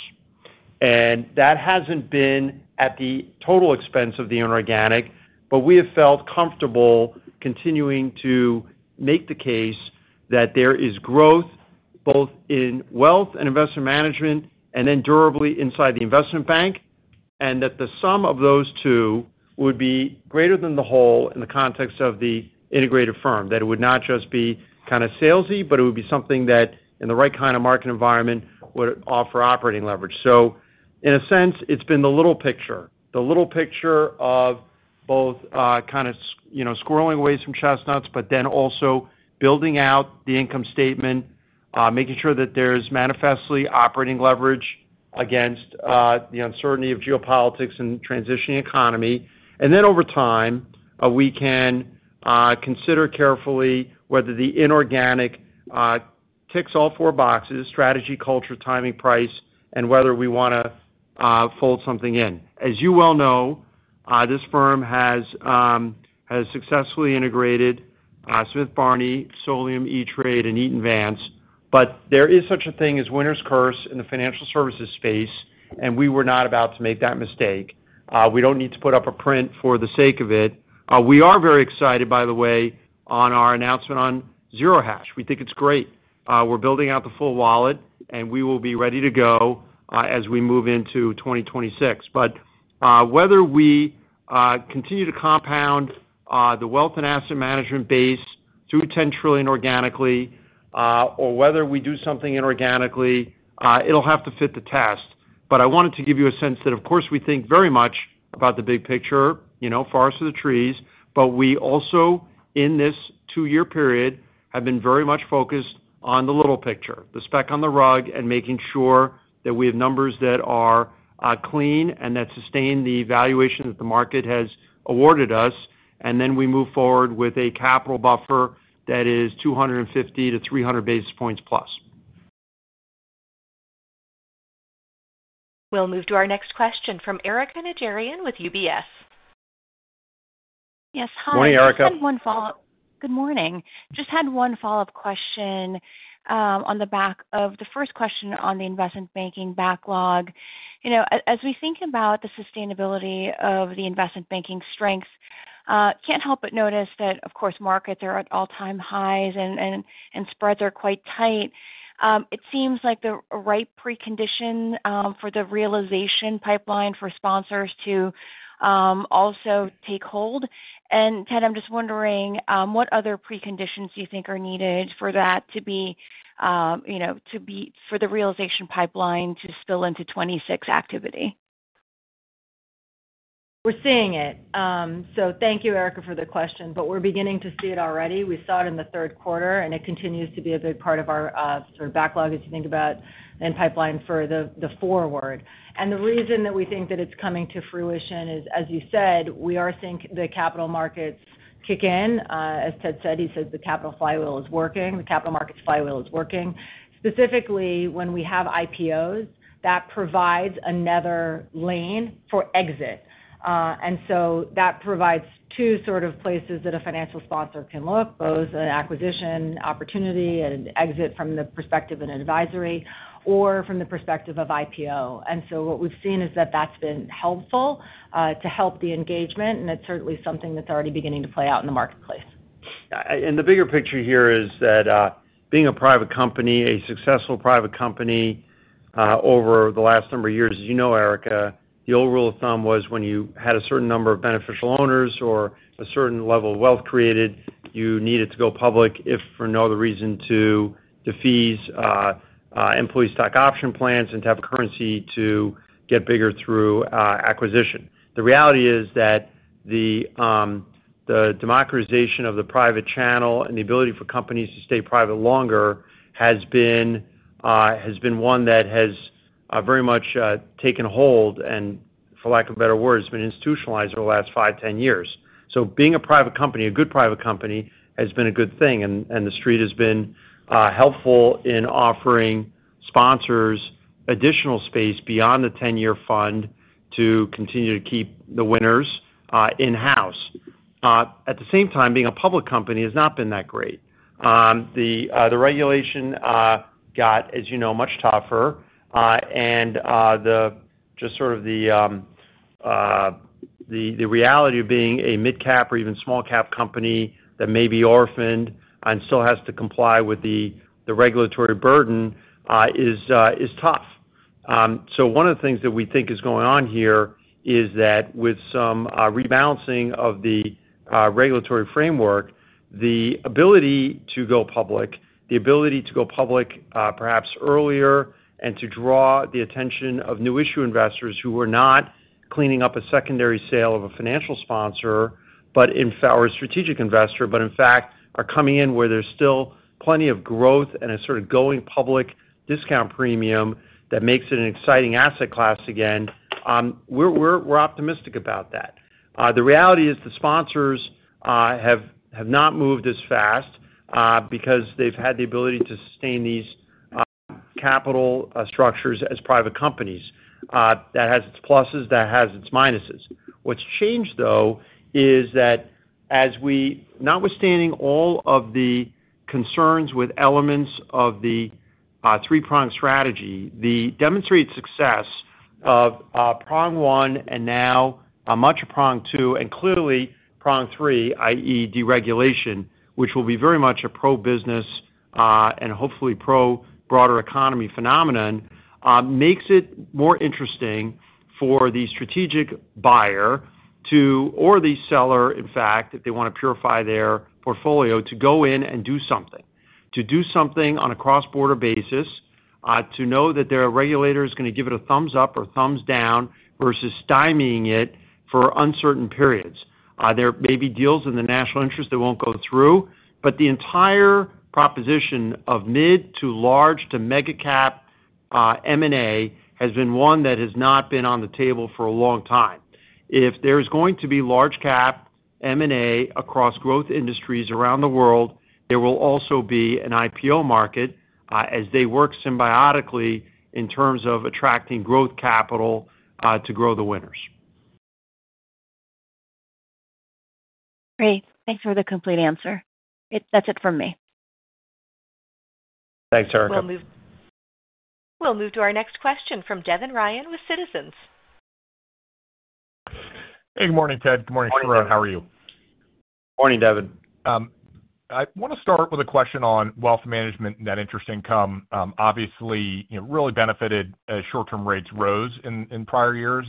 That hasn't been at the total expense of the inorganic, but we have felt comfortable continuing to make the case that there is growth both in wealth and investment management and then durably inside the investment bank, and that the sum of those two would be greater than the whole in the context of the integrated firm, that it would not just be kind of salesy, but it would be something that in the right kind of market environment would offer operating leverage. In a sense, it's been the little picture, the little picture of both kind of squirreling away from chestnuts, but then also building out the income statement, making sure that there's manifestly operating leverage against the uncertainty of geopolitics and transitioning economy. Over time, we can consider carefully whether the inorganic ticks all four boxes, strategy, culture, timing, price, and whether we want to fold something in. As you well know, this firm has successfully integrated Smith Barney, Solium, E*TRADE, and Eaton Vance. There is such a thing as winner's curse in the financial services space, and we were not about to make that mistake. We don't need to put up a print for the sake of it. We are very excited, by the way, on our announcement on Zero Hash. We think it's great. We're building out the full wallet, and we will be ready to go as we move into 2026. Whether we continue to compound the wealth and asset management base through $10 trillion organically, or whether we do something inorganically, it'll have to fit the test. I wanted to give you a sense that, of course, we think very much about the big picture, you know, forests of the trees, but we also, in this two-year period, have been very much focused on the little picture, the speck on the rug, and making sure that we have numbers that are clean and that sustain the valuation that the market has awarded us. We move forward with a capital buffer that is 250-300bps+. We'll move to our next question from Erica Najarian with UBS. Yes, hi. Morning, Erica. I had one follow-up. Good morning. Just had one follow-up question on the back of the first question on the investment banking backlog. As we think about the sustainability of the investment banking strengths, I can't help but notice that, of course, markets are at all-time highs and spreads are quite tight. It seems like the right precondition for the realization pipeline for sponsors to also take hold. Ted, I'm just wondering, what other preconditions do you think are needed for that to be, you know, for the realization pipeline to spill into 2026 activity? We're seeing it. Thank you, Erica, for the question, but we're beginning to see it already. We saw it in the third quarter, and it continues to be a big part of our sort of backlog as you think about the pipeline for the forward. The reason that we think that it's coming to fruition is, as you said, we are seeing the capital markets kick in. As Ted said, he says the capital flywheel is working. The capital markets flywheel is working. Specifically, when we have IPOs, that provides another lane for exit. That provides two sort of places that a financial sponsor can look, both an acquisition opportunity and exit from the perspective of an advisory or from the perspective of IPO. What we've seen is that that's been helpful to help the engagement, and it's certainly something that's already beginning to play out in the marketplace. The bigger picture here is that being a private company, a successful private company over the last number of years, as you know, Erica, the old rule of thumb was when you had a certain number of beneficial owners or a certain level of wealth created, you needed to go public if for no other reason to defuse employee stock option plans and to have a currency to get bigger through acquisition. The reality is that the democratization of the private channel and the ability for companies to stay private longer has been one that has very much taken hold and, for lack of a better word, has been institutionalized over the last five, ten years. Being a private company, a good private company, has been a good thing, and the Street has been helpful in offering sponsors additional space beyond the 10-year fund to continue to keep the winners in-house. At the same time, being a public company has not been that great. The regulation got, as you know, much tougher, and just sort of the reality of being a mid-cap or even small-cap company that may be orphaned and still has to comply with the regulatory burden is tough. One of the things that we think is going on here is that with some rebalancing of the regulatory framework, the ability to go public, the ability to go public perhaps earlier and to draw the attention of new issue investors who are not cleaning up a secondary sale of a financial sponsor, but are a strategic investor, but in fact are coming in where there's still plenty of growth and a sort of going public discount premium that makes it an exciting asset class again, we're optimistic about that. The reality is the sponsors have not moved as fast because they've had the ability to sustain these capital structures as private companies. That has its pluses, that has its minuses. What's changed, though, is that notwithstanding all of the concerns with elements of the three-prong strategy, the demonstrated success of prong one and now much of prong two and clearly prong three, i.e. deregulation, which will be very much a pro-business and hopefully pro-broader economy phenomenon, makes it more interesting for the strategic buyer or the seller, in fact, if they want to purify their portfolio, to go in and do something. To do something on a cross-border basis, to know that their regulator is going to give it a thumbs up or thumbs down versus stymieing it for uncertain periods. There may be deals in the national interest that won't go through, but the entire proposition of mid to large to mega-cap M&A has been one that has not been on the table for a long time. If there's going to be large-cap M&A across growth industries around the world, there will also be an IPO market as they work symbiotically in terms of attracting growth capital to grow the winners. Great. Thanks for the complete answer. That's it from me. Thanks, Erica. We'll move to our next question from Devin Ryan with Citizens. Hey, good morning, Ted. Good morning, Sharon. How are you? Morning, Devin. I want to start with a question on Wealth Management and that interest income. Obviously, you know, really benefited as short-term rates rose in prior years.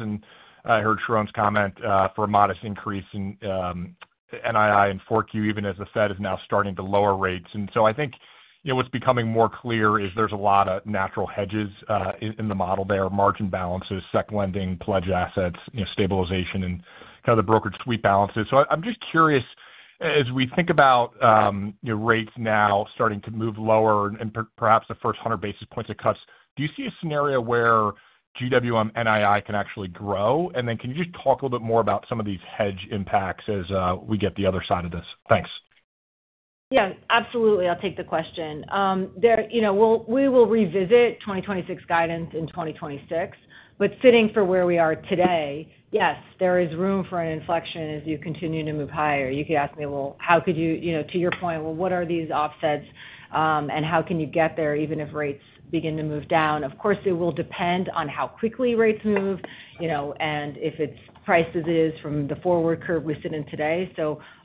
I heard Sharon's comment for a modest increase in NII in 4Q, even as the Fed is now starting to lower rates. I think, you know, what's becoming more clear is there's a lot of natural hedges in the model there: margin balances, sec lending, pledged assets, stabilization, and kind of the brokerage sweep balances. I'm just curious, as we think about, you know, rates now starting to move lower and perhaps the first 100 basis points of cuts, do you see a scenario where GWM NII can actually grow? Can you just talk a little bit more about some of these hedge impacts as we get the other side of this? Thanks. Yeah, absolutely. I'll take the question. We will revisit 2026 guidance in 2026. Sitting for where we are today, yes, there is room for an inflection as you continue to move higher. You could ask me, how could you, to your point, what are these offsets and how can you get there even if rates begin to move down? Of course, it will depend on how quickly rates move, and if it's priced as it is from the forward curve we sit in today.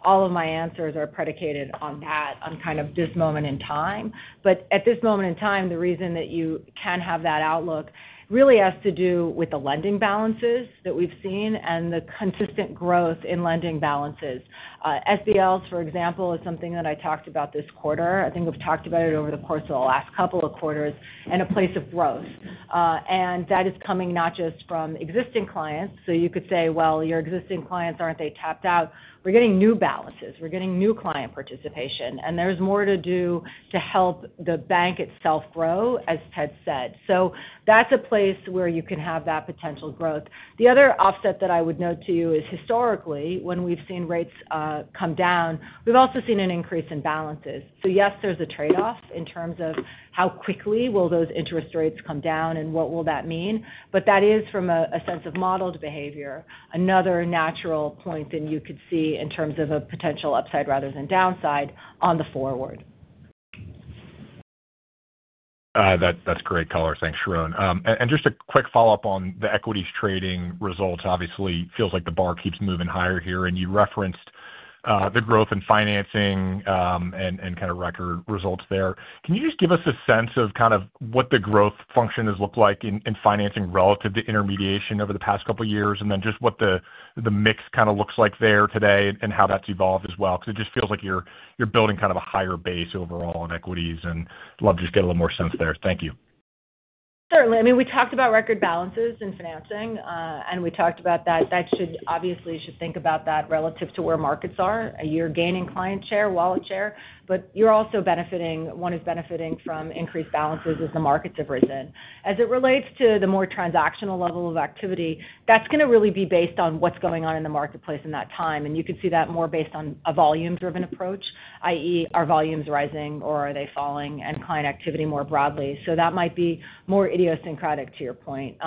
All of my answers are predicated on that, on kind of this moment in time. At this moment in time, the reason that you can have that outlook really has to do with the lending balances that we've seen and the consistent growth in lending balances. SBLs, for example, is something that I talked about this quarter. I think we've talked about it over the course of the last couple of quarters and a place of growth. That is coming not just from existing clients. You could say, your existing clients, aren't they tapped out? We're getting new balances. We're getting new client participation. There's more to do to help the bank itself grow, as Ted said. That's a place where you can have that potential growth. The other offset that I would note to you is historically, when we've seen rates come down, we've also seen an increase in balances. Yes, there's a trade-off in terms of how quickly will those interest rates come down and what will that mean. That is from a sense of modeled behavior, another natural point that you could see in terms of a potential upside rather than downside on the forward. That's great color. Thanks, Sharon. Just a quick follow-up on the equities trading results. Obviously, it feels like the bar keeps moving higher here. You referenced the growth in financing and kind of record results there. Can you just give us a sense of what the growth function has looked like in financing relative to intermediation over the past couple of years and what the mix looks like there today and how that's evolved as well? It just feels like you're building a higher base overall in equities and love to get a little more sense there. Thank you. Certainly. I mean, we talked about record balances in financing and we talked about that. That should obviously think about that relative to where markets are. You're gaining client share, wallet share, but you're also benefiting, one is benefiting from increased balances as the markets have risen. As it relates to the more transactional level of activity, that's going to really be based on what's going on in the marketplace in that time. You could see that more based on a volume-driven approach, i.e. are volumes rising or are they falling and client activity more broadly? That might be more idiosyncratic to your point.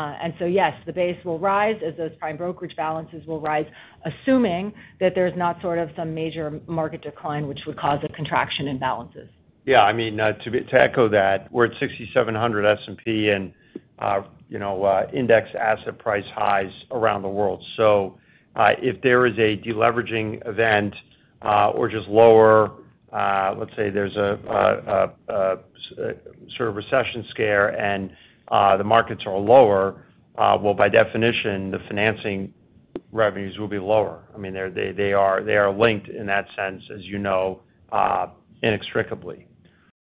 Yes, the base will rise as those prime brokerage balances will rise, assuming that there's not sort of some major market decline which would cause a contraction in balances. Yeah, I mean, to echo that, we're at 6,700 S&P and, you know, index asset price highs around the world. If there is a deleveraging event or just lower, let's say there's a sort of recession scare and the markets are lower, by definition, the financing revenues will be lower. I mean, they are linked in that sense, as you know, inextricably.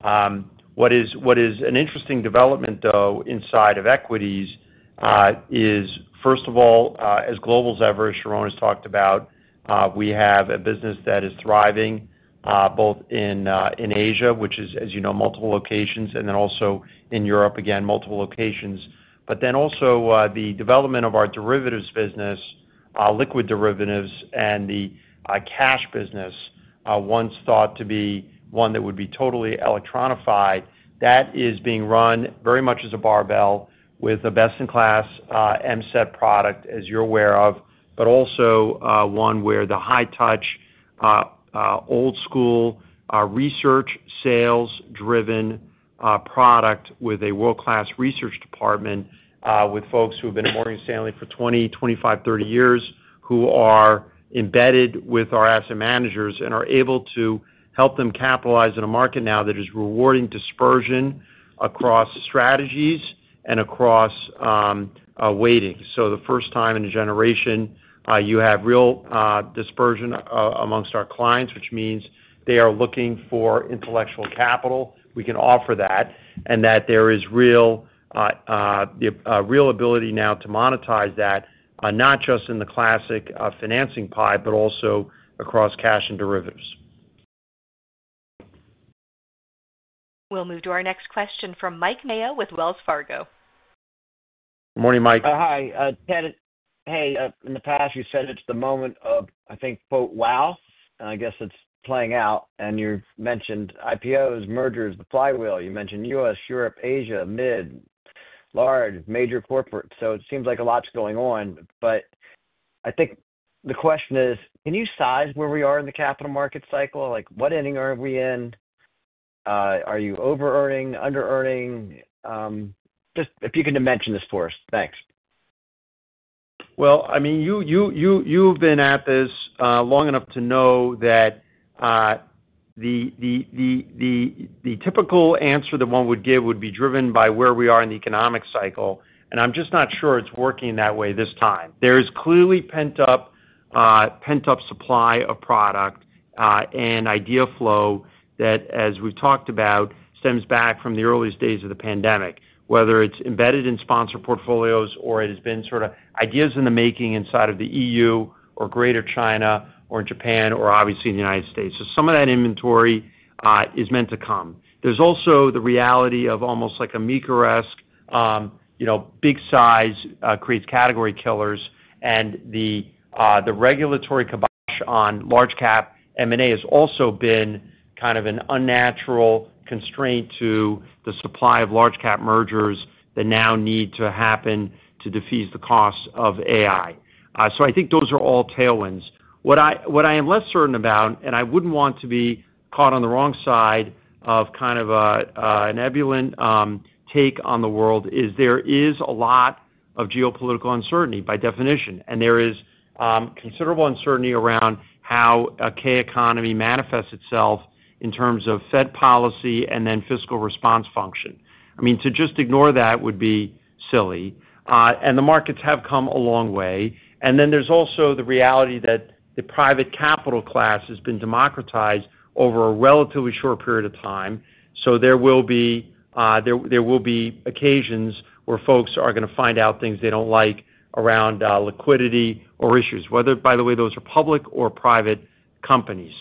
What is an interesting development, though, inside of equities is, first of all, as global as ever, as Sharon has talked about, we have a business that is thriving both in Asia, which is, as you know, multiple locations, and then also in Europe, again, multiple locations. Then also the development of our derivatives business, liquid derivatives, and the cash business, once thought to be one that would be totally electronified, that is being run very much as a barbell with a best-in-class M-SET product, as you're aware of, but also one where the high-touch, old-school research sales-driven product with a world-class research department, with folks who have been at Morgan Stanley for 20, 25, 30 years, who are embedded with our asset managers and are able to help them capitalize in a market now that is rewarding dispersion across strategies and across weighting. For the first time in a generation, you have real dispersion amongst our clients, which means they are looking for intellectual capital. We can offer that and that there is real ability now to monetize that, not just in the classic financing pie, but also across cash and derivatives. We'll move to our next question from Mike Mayo with Wells Fargo. Morning, Mike. Hi, Ted. In the past, you said it's the moment of, I think, quote, wow, and I guess it's playing out. You mentioned IPOs, mergers, the flywheel. You mentioned U.S., Europe, Asia, mid, large, major corporate. It seems like a lot's going on. I think the question is, can you size where we are in the capital market cycle? Like, what inning are we in? Are you over-earning, under-earning? If you can mention this for us, thanks. You have been at this long enough to know that the typical answer that one would give would be driven by where we are in the economic cycle. I'm just not sure it's working that way this time. There is clearly pent-up supply of product and idea flow that, as we've talked about, stems back from the earliest days of the pandemic, whether it's embedded in sponsor portfolios or it has been sort of ideas in the making inside of the EU or greater China or in Japan or obviously in the United States. Some of that inventory is meant to come. There is also the reality of almost like a Mika-esque, you know, big size creates category killers. The regulatory kibosh on large-cap M&A has also been kind of an unnatural constraint to the supply of large-cap mergers that now need to happen to defuse the cost of AI. I think those are all tailwinds. What I am less certain about, and I wouldn't want to be caught on the wrong side of kind of an ambulant take on the world, is there is a lot of geopolitical uncertainty by definition. There is considerable uncertainty around how a key economy manifests itself in terms of Fed policy and then fiscal response function. To just ignore that would be silly. The markets have come a long way. There is also the reality that the private capital class has been democratized over a relatively short period of time. There will be occasions where folks are going to find out things they don't like around liquidity or issues, whether, by the way, those are public or private companies.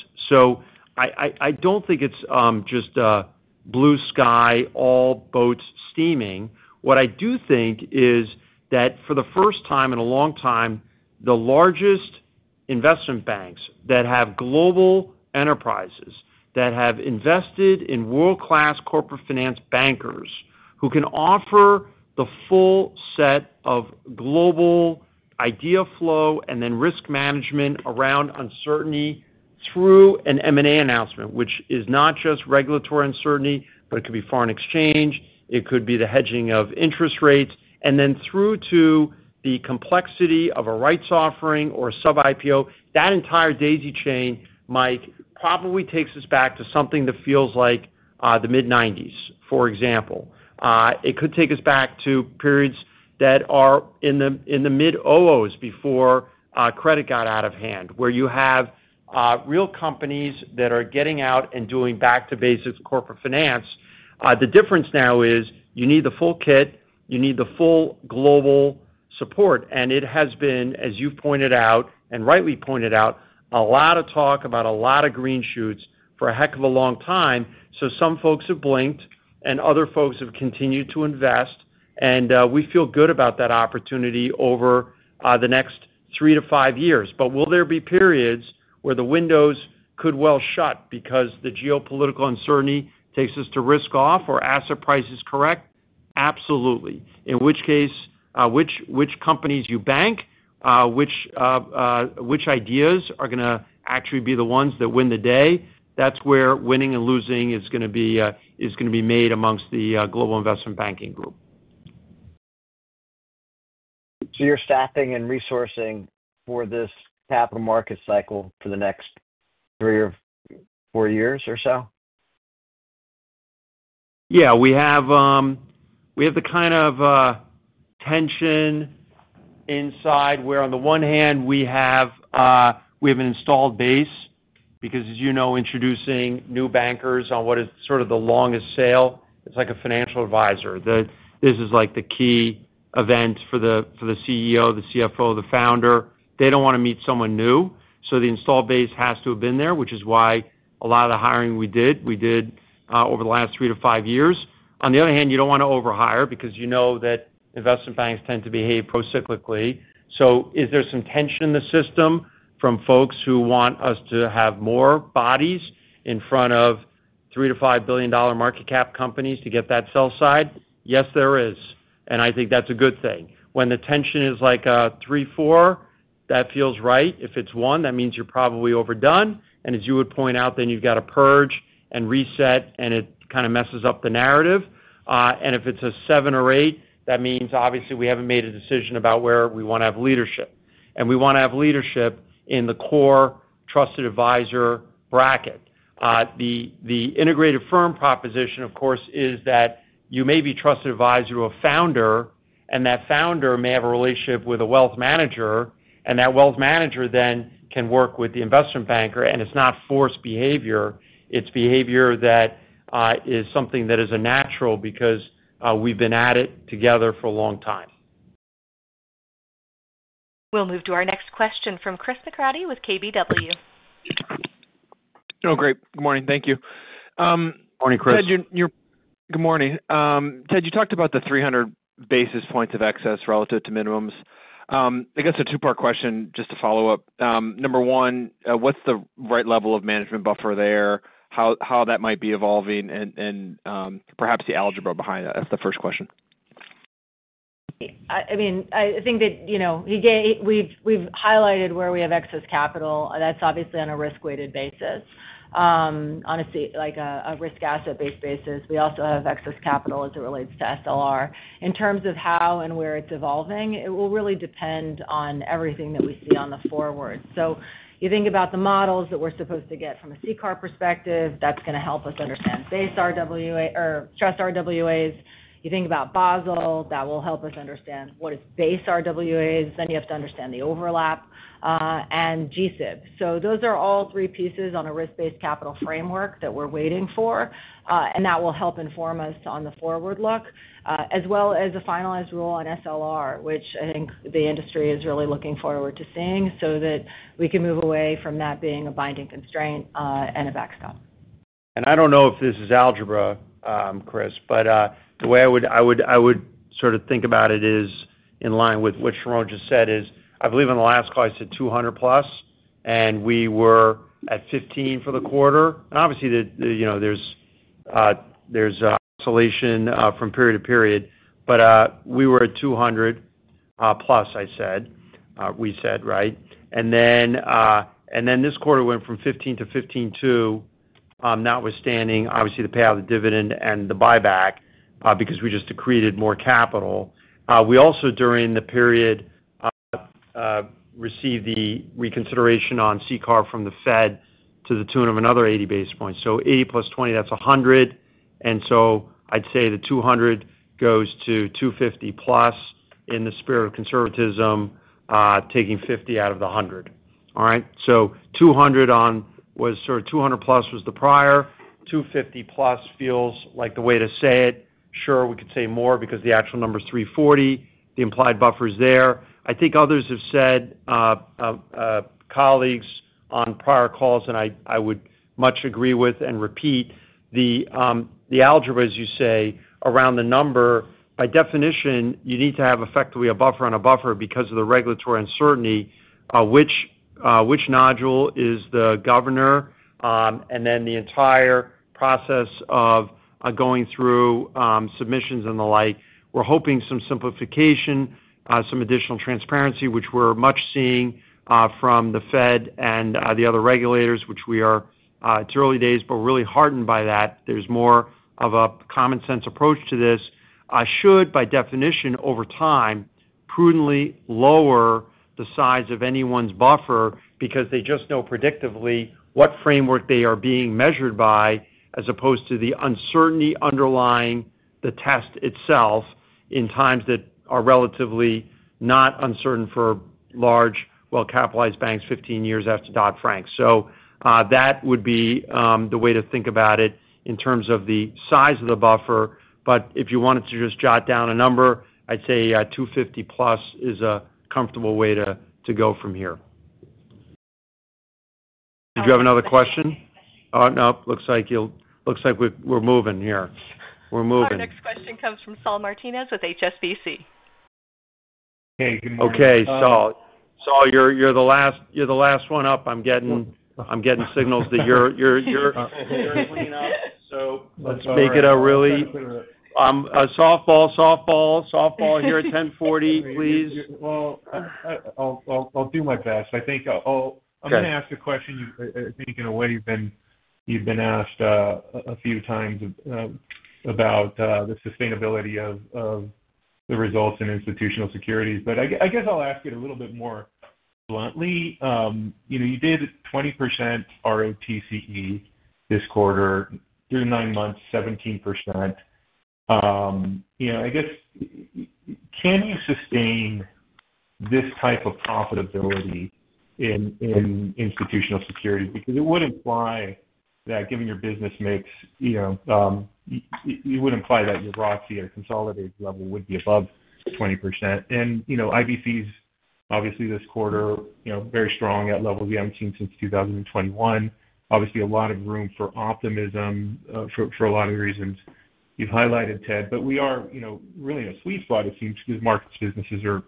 I don't think it's just a blue sky, all boats steaming. What I do think is that for the first time in a long time, the largest investment banks that have global enterprises that have invested in world-class corporate finance bankers who can offer the full set of global idea flow and then risk management around uncertainty through an M&A announcement, which is not just regulatory uncertainty, but it could be foreign exchange. It could be the hedging of interest rates. Then through to the complexity of a rights offering or a sub-IPO, that entire daisy chain, Mike, probably takes us back to something that feels like the mid-1990s, for example. It could take us back to periods that are in the mid-2000s before credit got out of hand, where you have real companies that are getting out and doing back-to-basics corporate finance. The difference now is you need the full kit, you need the full global support. It has been, as you pointed out and rightly pointed out, a lot of talk about a lot of green shoots for a heck of a long time. Some folks have blinked and other folks have continued to invest. We feel good about that opportunity over the next three to five years. Will there be periods where the windows could well shut because the geopolitical uncertainty takes us to risk off or asset prices correct? Absolutely. In which case, which companies you bank, which ideas are going to actually be the ones that win the day? That's where winning and losing is going to be made amongst the global investment banking group. You're staffing and resourcing for this capital market cycle for the next three or four years or so? Yeah, we have the kind of tension inside where on the one hand we have an installed base because, as you know, introducing new bankers on what is sort of the longest sale, it's like a financial advisor. This is like the key event for the CEO, the CFO, the founder. They don't want to meet someone new. The installed base has to have been there, which is why a lot of the hiring we did, we did over the last three to five years. On the other hand, you don't want to overhire because you know that investment banks tend to behave procyclically. Is there some tension in the system from folks who want us to have more bodies in front of $3-$5 billion market cap companies to get that sell side? Yes, there is. I think that's a good thing. When the tension is like a three, four, that feels right. If it's one, that means you're probably overdone. As you would point out, then you've got a purge and reset, and it kind of messes up the narrative. If it's a seven or eight, that means obviously we haven't made a decision about where we want to have leadership. We want to have leadership in the core trusted advisor bracket. The integrated firm proposition, of course, is that you may be trusted advisor to a founder, and that founder may have a relationship with a wealth manager, and that wealth manager then can work with the investment banker. It's not forced behavior. It's behavior that is something that is a natural because we've been at it together for a long time. We'll move to our next question from Chris McCratty with KBW. Great. Good morning. Thank you. Morning, Chris. Good morning. Ted, you talked about the 300 basis points of excess relative to minimums. I guess a two-part question just to follow up. Number one, what's the right level of management buffer there? How that might be evolving and perhaps the algebra behind that as the first question? I mean, I think that we've highlighted where we have excess capital. That's obviously on a risk-weighted basis, on a risk asset-based basis. We also have excess capital as it relates to SLR. In terms of how and where it's evolving, it will really depend on everything that we see on the forward. You think about the models that we're supposed to get from a CCAR perspective, that's going to help us understand base RWA or stress RWAs. You think about Basel, that will help us understand what is base RWAs. Then you have to understand the overlap and GSIB. Those are all three pieces on a risk-based capital framework that we're waiting for. That will help inform us on the forward look, as well as a finalized rule on SLR, which I think the industry is really looking forward to seeing so that we can move away from that being a binding constraint and a backstop. I don't know if this is algebra, Chris, but the way I would sort of think about it is in line with what Sharon just said. I believe in the last call I said 200 plus, and we were at 15 for the quarter. Obviously, there's oscillation from period to period, but we were at 200 plus, I said, we said, right? This quarter went from 15-15.2, notwithstanding the payout of the dividend and the buyback because we just accreted more capital. We also, during the period, received the reconsideration. On C car from the Fed to the tune of another 80 basis points. 80 plus 20, that's 100. I'd say the 200 goes to 250 plus in the spirit of conservatism, taking 50 out of the 100. All right. 200 plus was the prior. 250 plus feels like the way to say it. Sure, we could say more because the actual number is 340. The implied buffer is there. I think others have said, colleagues on prior calls, and I would much agree with and repeat the algebra, as you say, around the number. By definition, you need to have effectively a buffer on a buffer because of the regulatory uncertainty, which nodule is the governor, and then the entire process of going through submissions and the like. We're hoping some simplification, some additional transparency, which we're much seeing from the Fed and the other regulators, which we are. It's early days, but we're really heartened by that. There's more of a common sense approach to this. I should, by definition, over time, prudently lower the size of anyone's buffer because they just know predictively what framework they are being measured by, as opposed to the uncertainty underlying the test itself in times that are relatively not uncertain for large, well-capitalized banks 15 years after Dodd-Frank. That would be the way to think about it in terms of the size of the buffer. If you wanted to just jot down a number, I'd say 250 plus is a comfortable way to go from here. Did you have another question? Oh, no. Looks like we're moving here. We're moving. Next question comes from Saul Martinez with HSBC. Hey, good morning. Okay, Saul. Saul, you're the last one up. I'm getting signals that you're... Let's make it a really... Softball, softball, softball here at 10:40, please. I think I'll ask a question you've, I think, in a way you've been asked a few times about the sustainability of the results in institutional securities. I guess I'll ask it a little bit more bluntly. You did 20% ROTCE this quarter. Through the nine months, 17%. I guess, can you sustain this type of profitability in institutional securities? Because it would imply that given your business mix, it would imply that your ROTCE or consolidated level would be above 20%. IBC's obviously this quarter, very strong at levels we haven't seen since 2021. Obviously, a lot of room for optimism for a lot of the reasons you've highlighted, Ted. We are really in a sweet spot, it seems, because markets businesses are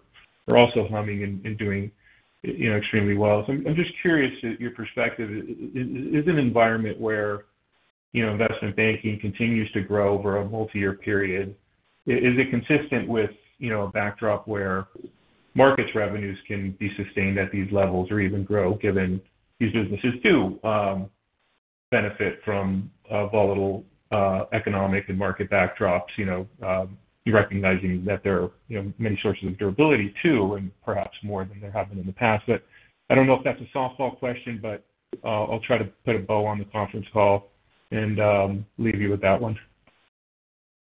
also humming and doing extremely well. I'm just curious to your perspective, is an environment where investment banking continues to grow over a multi-year period, is it consistent with a backdrop where markets revenues can be sustained at these levels or even grow, given these businesses do benefit from a volatile economic and market backdrops, recognizing that there are many sources of durability too, and perhaps more than there have been in the past. I don't know if that's a softball question, but I'll try to put a bow on the conference call and leave you with that one.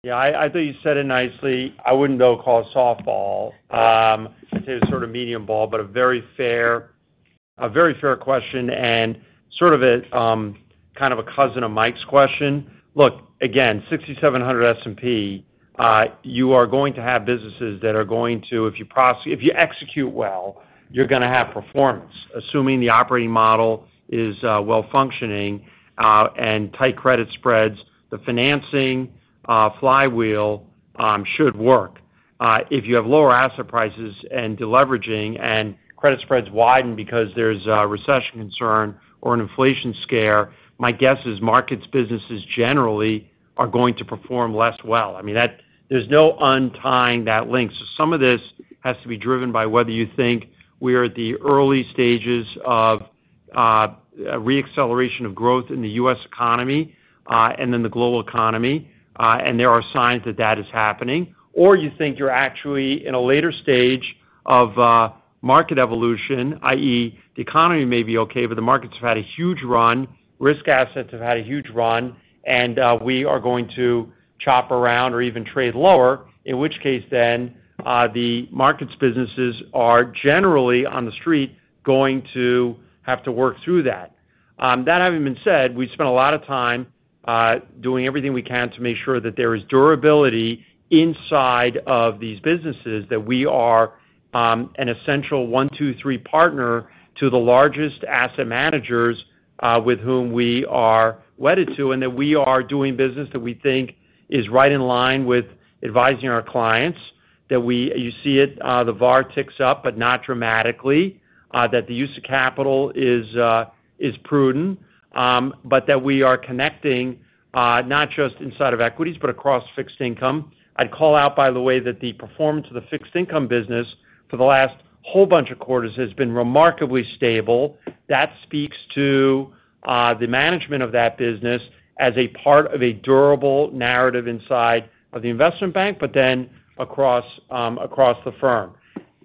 Yeah, I thought you said it nicely. I wouldn't know to call it softball. I'd say it was sort of a medium ball, but a very fair question and sort of a kind of a cousin of Mike's question. Look, again, 6,700 S&P, you are going to have businesses that are going to, if you execute well, you're going to have performance. Assuming the operating model is well-functioning and tight credit spreads, the financing flywheel should work. If you have lower asset prices and deleveraging and credit spreads widen because there's a recession concern or an inflation scare, my guess is markets businesses generally are going to perform less well. There's no untying that link. Some of this has to be driven by whether you think we are at the early stages of re-acceleration of growth in the U.S. economy and then the global economy, and there are signs that that is happening, or you think you're actually in a later stage of market evolution, i.e., the economy may be okay, but the markets have had a huge run, risk assets have had a huge run, and we are going to chop around or even trade lower, in which case the markets businesses are generally on the street going to have to work through that. That having been said, we spent a lot of time doing everything we can to make sure that there is durability inside of these businesses, that we are an essential one, two, three partner to the largest asset managers with whom we are wedded to, and that we are doing business that we think is right in line with advising our clients. You see it, the VAR ticks up, but not dramatically, that the use of capital is prudent, but that we are connecting not just inside of equities, but across fixed income. I'd call out, by the way, that the performance of the fixed income business for the last whole bunch of quarters has been remarkably stable. That speaks to the management of that business as a part of a durable narrative inside of the investment bank, but then across the firm.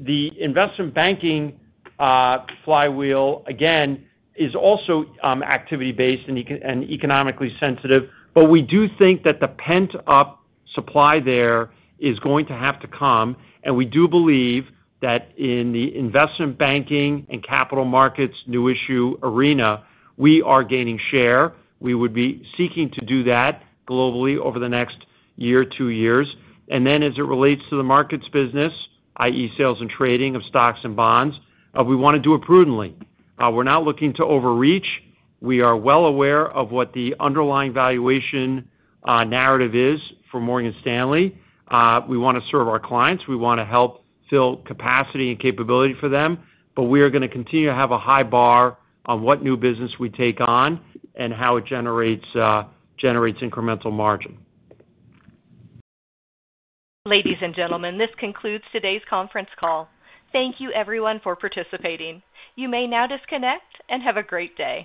The investment banking flywheel, again, is also activity-based and economically sensitive, but we do think that the pent-up supply there is going to have to come, and we do believe that in the investment banking and capital markets new issue arena, we are gaining share. We would be seeking to do that globally over the next year or two years. As it relates to the markets business, i.e., sales and trading of stocks and bonds, we want to do it prudently. We're not looking to overreach. We are well aware of what the underlying valuation narrative is for Morgan Stanley. We want to serve our clients. We want to help fill capacity and capability for them, and we are going to continue to have a high bar on what new business we take on and how it generates incremental margin. Ladies and gentlemen, this concludes today's conference call. Thank you, everyone, for participating. You may now disconnect and have a great day.